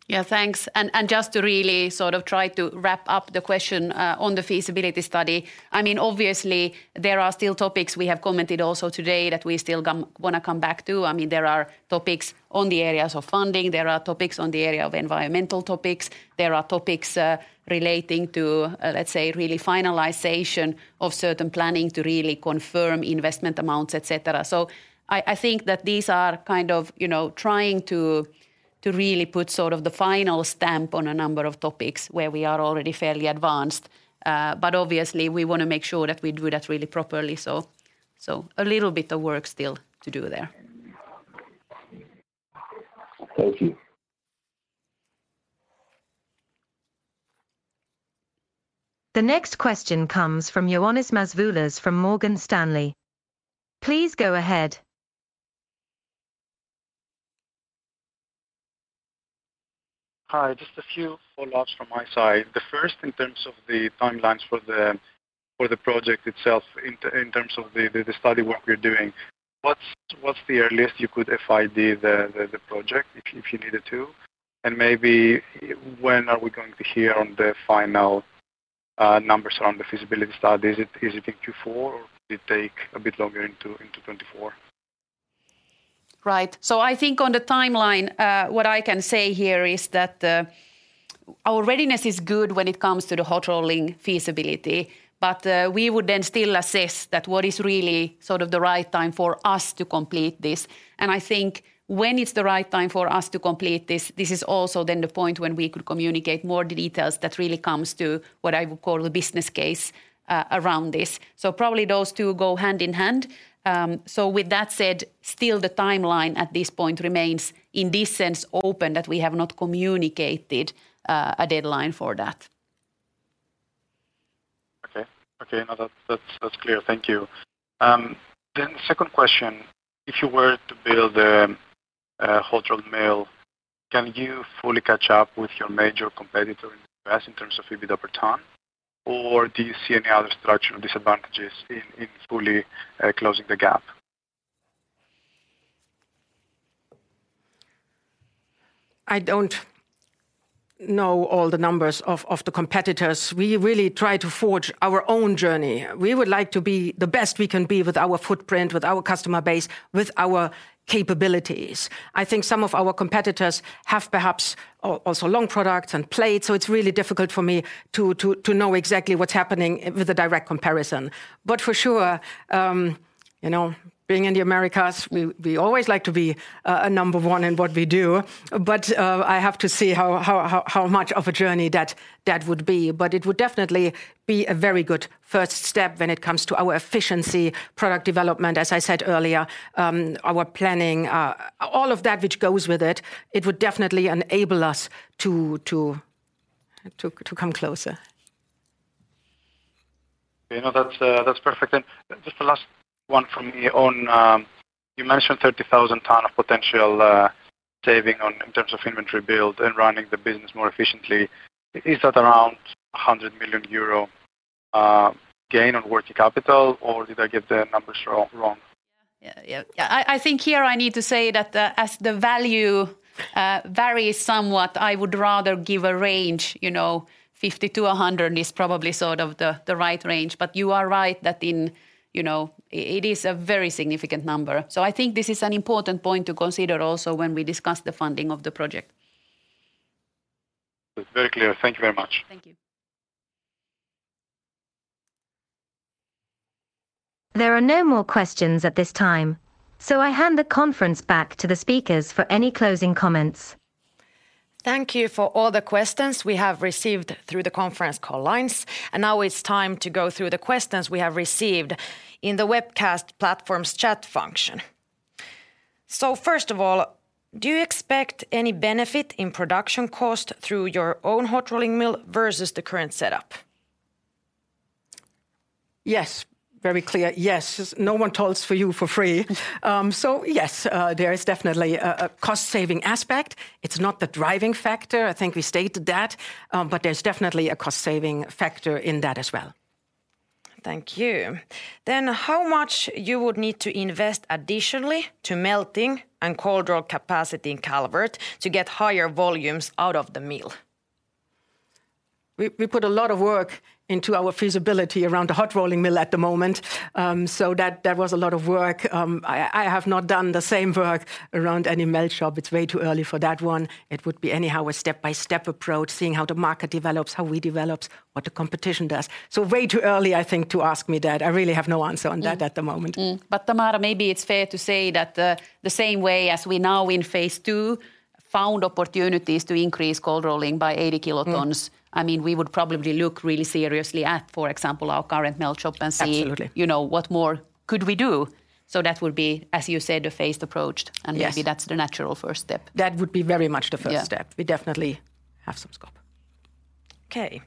Yeah, thanks. And just to really sort of try to wrap up the question on the feasibility study, I mean, obviously, there are still topics we have commented also today that we still wanna come back to. I mean, there are topics on the areas of funding, there are topics on the area of environmental topics, there are topics relating to, let's say, really finalization of certain planning to really confirm investment amounts, et cetera. So I think that these are kind of, you know, trying to really put sort of the final stamp on a number of topics where we are already fairly advanced. But obviously, we wanna make sure that we do that really properly, so a little bit of work still to do there. Thank you. The next question comes from Ioannis Masvoulas from Morgan Stanley. Please go ahead. Hi, just a few follow-ups from my side. The first, in terms of the timelines for the project itself, in terms of the study work you're doing, what's the earliest you could FID the project if you needed to? Maybe when are we going to hear on the final numbers around the feasibility study? Is it in 2024, or does it take a bit longer into 2024? Right. So I think on the timeline, what I can say here is that our readiness is good when it comes to the hot rolling feasibility, but we would then still assess that what is really sort of the right time for us to complete this. And I think when it's the right time for us to complete this, this is also then the point when we could communicate more details that really comes to what I would call the business case around this. So probably those two go hand in hand. So with that said, still the timeline at this point remains, in this sense, open, that we have not communicated a deadline for that. Okay. Okay, now, that's, that's clear. Thank you. Then second question: if you were to build a hot rolled mill, can you fully catch up with your major competitor in the U.S. in terms of EBITDA per ton? Or do you see any other structural disadvantages in fully closing the gap? I don't know all the numbers of the competitors. We really try to forge our own journey. We would like to be the best we can be with our footprint, with our customer base, with our capabilities. I think some of our competitors have perhaps also long products and plates, so it's really difficult for me to know exactly what's happening with a direct comparison. But for sure, you know, being in the Americas, we always like to be a number one in what we do, but I have to see how much of a journey that would be. But it would definitely be a very good first step when it comes to our efficiency, product development, as I said earlier, our planning. All of that which goes with it, it would definitely enable us to come closer. Okay, no, that's perfect. Just the last one from me, you mentioned 30,000 ton of potential saving in terms of inventory build and running the business more efficiently. Is that around 100 million euro gain on working capital, or did I get the numbers wrong, wrong? Yeah. Yeah, yeah. I think here I need to say that as the value varies somewhat, I would rather give a range. You know, 50-100 is probably sort of the right range, but you are right that in... You know, it is a very significant number. So I think this is an important point to consider also when we discuss the funding of the project. It's very clear. Thank you very much. Thank you. There are no more questions at this time, so I hand the conference back to the speakers for any closing comments. Thank you for all the questions we have received through the conference call lines, and now it's time to go through the questions we have received in the webcast platform's chat function. So first of all, do you expect any benefit in production cost through your own hot rolling mill versus the current setup? Yes, very clear. Yes, no one talks for you for free. So yes, there is definitely a cost-saving aspect. It's not the driving factor, I think we stated that, but there's definitely a cost-saving factor in that as well. ...Thank you. Then how much you would need to invest additionally to melting and cold roll capacity in Calvert to get higher volumes out of the mill? We put a lot of work into our feasibility around the hot rolling mill at the moment, so that was a lot of work. I have not done the same work around any melt shop. It's way too early for that one. It would be anyhow a step-by-step approach, seeing how the market develops, how we develop, what the competition does. So way too early, I think, to ask me that. I really have no answer on that at the moment. But, Tamara, maybe it's fair to say that the same way as we now in phase two found opportunities to increase cold rolling by 80 kilotons- Mm ... I mean, we would probably look really seriously at, for example, our current melt shop and see- Absolutely... you know, what more could we do? So that would be, as you said, a phased approach- Yes... and maybe that's the natural first step. That would be very much the first step. Yeah. We definitely have some scope. Okay.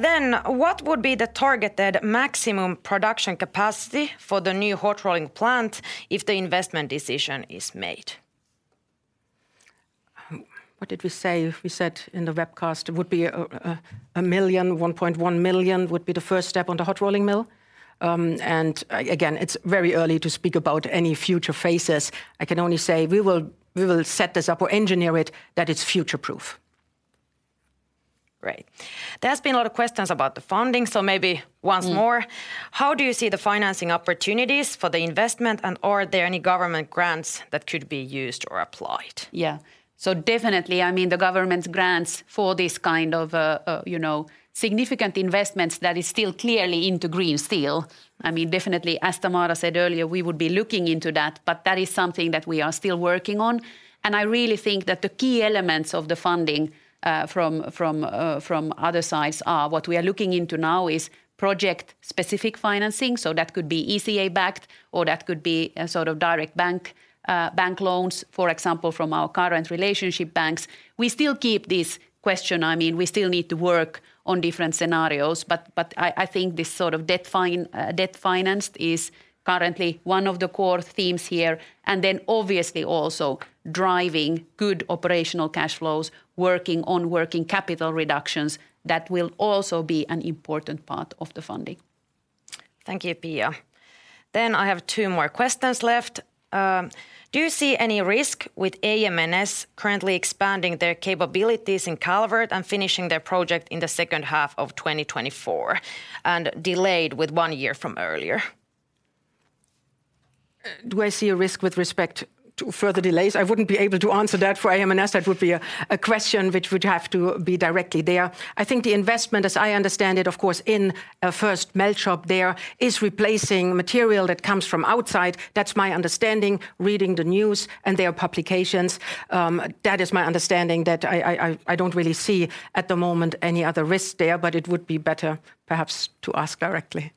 Then what would be the targeted maximum production capacity for the new hot rolling plant if the investment decision is made? What did we say? We said in the webcast it would be 1.1 million, which would be the first step on the hot rolling mill. Again, it's very early to speak about any future phases. I can only say we will set this up or engineer it that it's future-proof. Great. There's been a lot of questions about the funding, so maybe once more. Mm. How do you see the financing opportunities for the investment, and are there any government grants that could be used or applied? Yeah, definitely, I mean, the government's grants for this kind of, you know, significant investments that is still clearly into green steel, I mean, definitely, as Tamara said earlier, we would be looking into that. That is something that we are still working on. I really think that the key elements of the funding from other sides are what we are looking into now is project-specific financing, so that could be ECA-backed, or that could be a sort of direct bank loans, for example, from our current relationship banks. We still keep this question... I mean, we still need to work on different scenarios, but I think this sort of debt finance is currently one of the core themes here, and then obviously also driving good operational cash flows, working on working capital reductions, that will also be an important part of the funding. Thank you, Pia. Then I have two more questions left. Do you see any risk with AM/NS currently expanding their capabilities in Calvert and finishing their project in the second half of 2024 and delayed with one year from earlier? Do I see a risk with respect to further delays? I wouldn't be able to answer that for AM/NS. That would be a question which would have to be directly there. I think the investment, as I understand it, of course, in a first melt shop there, is replacing material that comes from outside. That's my understanding, reading the news and their publications. That is my understanding, that I don't really see at the moment any other risk there, but it would be better perhaps to ask directly.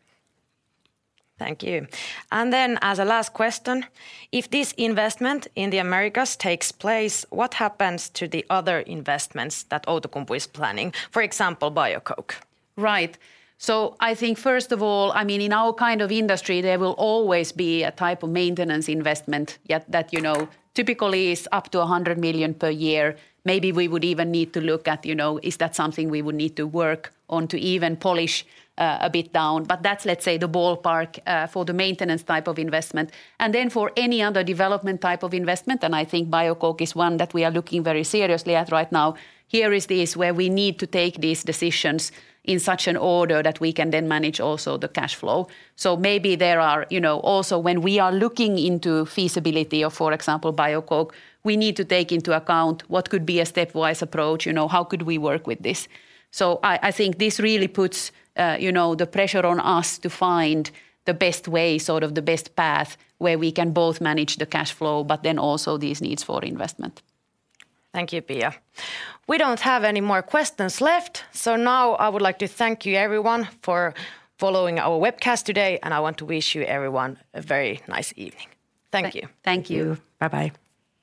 Thank you. Then as a last question, if this investment in the Americas takes place, what happens to the other investments that Outokumpu is planning, for example, biocoke? Right. So I think first of all, I mean, in our kind of industry, there will always be a type of maintenance investment, yet that, you know, typically is up to 100 million per year. Maybe we would even need to look at, you know, is that something we would need to work on to even polish a bit down? But that's, let's say, the ballpark for the maintenance type of investment. And then for any other development type of investment, and I think biocoke is one that we are looking very seriously at right now, here is this, where we need to take these decisions in such an order that we can then manage also the cash flow. So maybe there are... You know, also, when we are looking into feasibility of, for example, biocoke, we need to take into account what could be a stepwise approach, you know, how could we work with this? So I, I think this really puts, you know, the pressure on us to find the best way, sort of the best path, where we can both manage the cash flow, but then also these needs for investment. Thank you, Pia. We don't have any more questions left, so now I would like to thank you, everyone, for following our webcast today, and I want to wish you, everyone, a very nice evening. Thank you. Thank you. Bye-bye.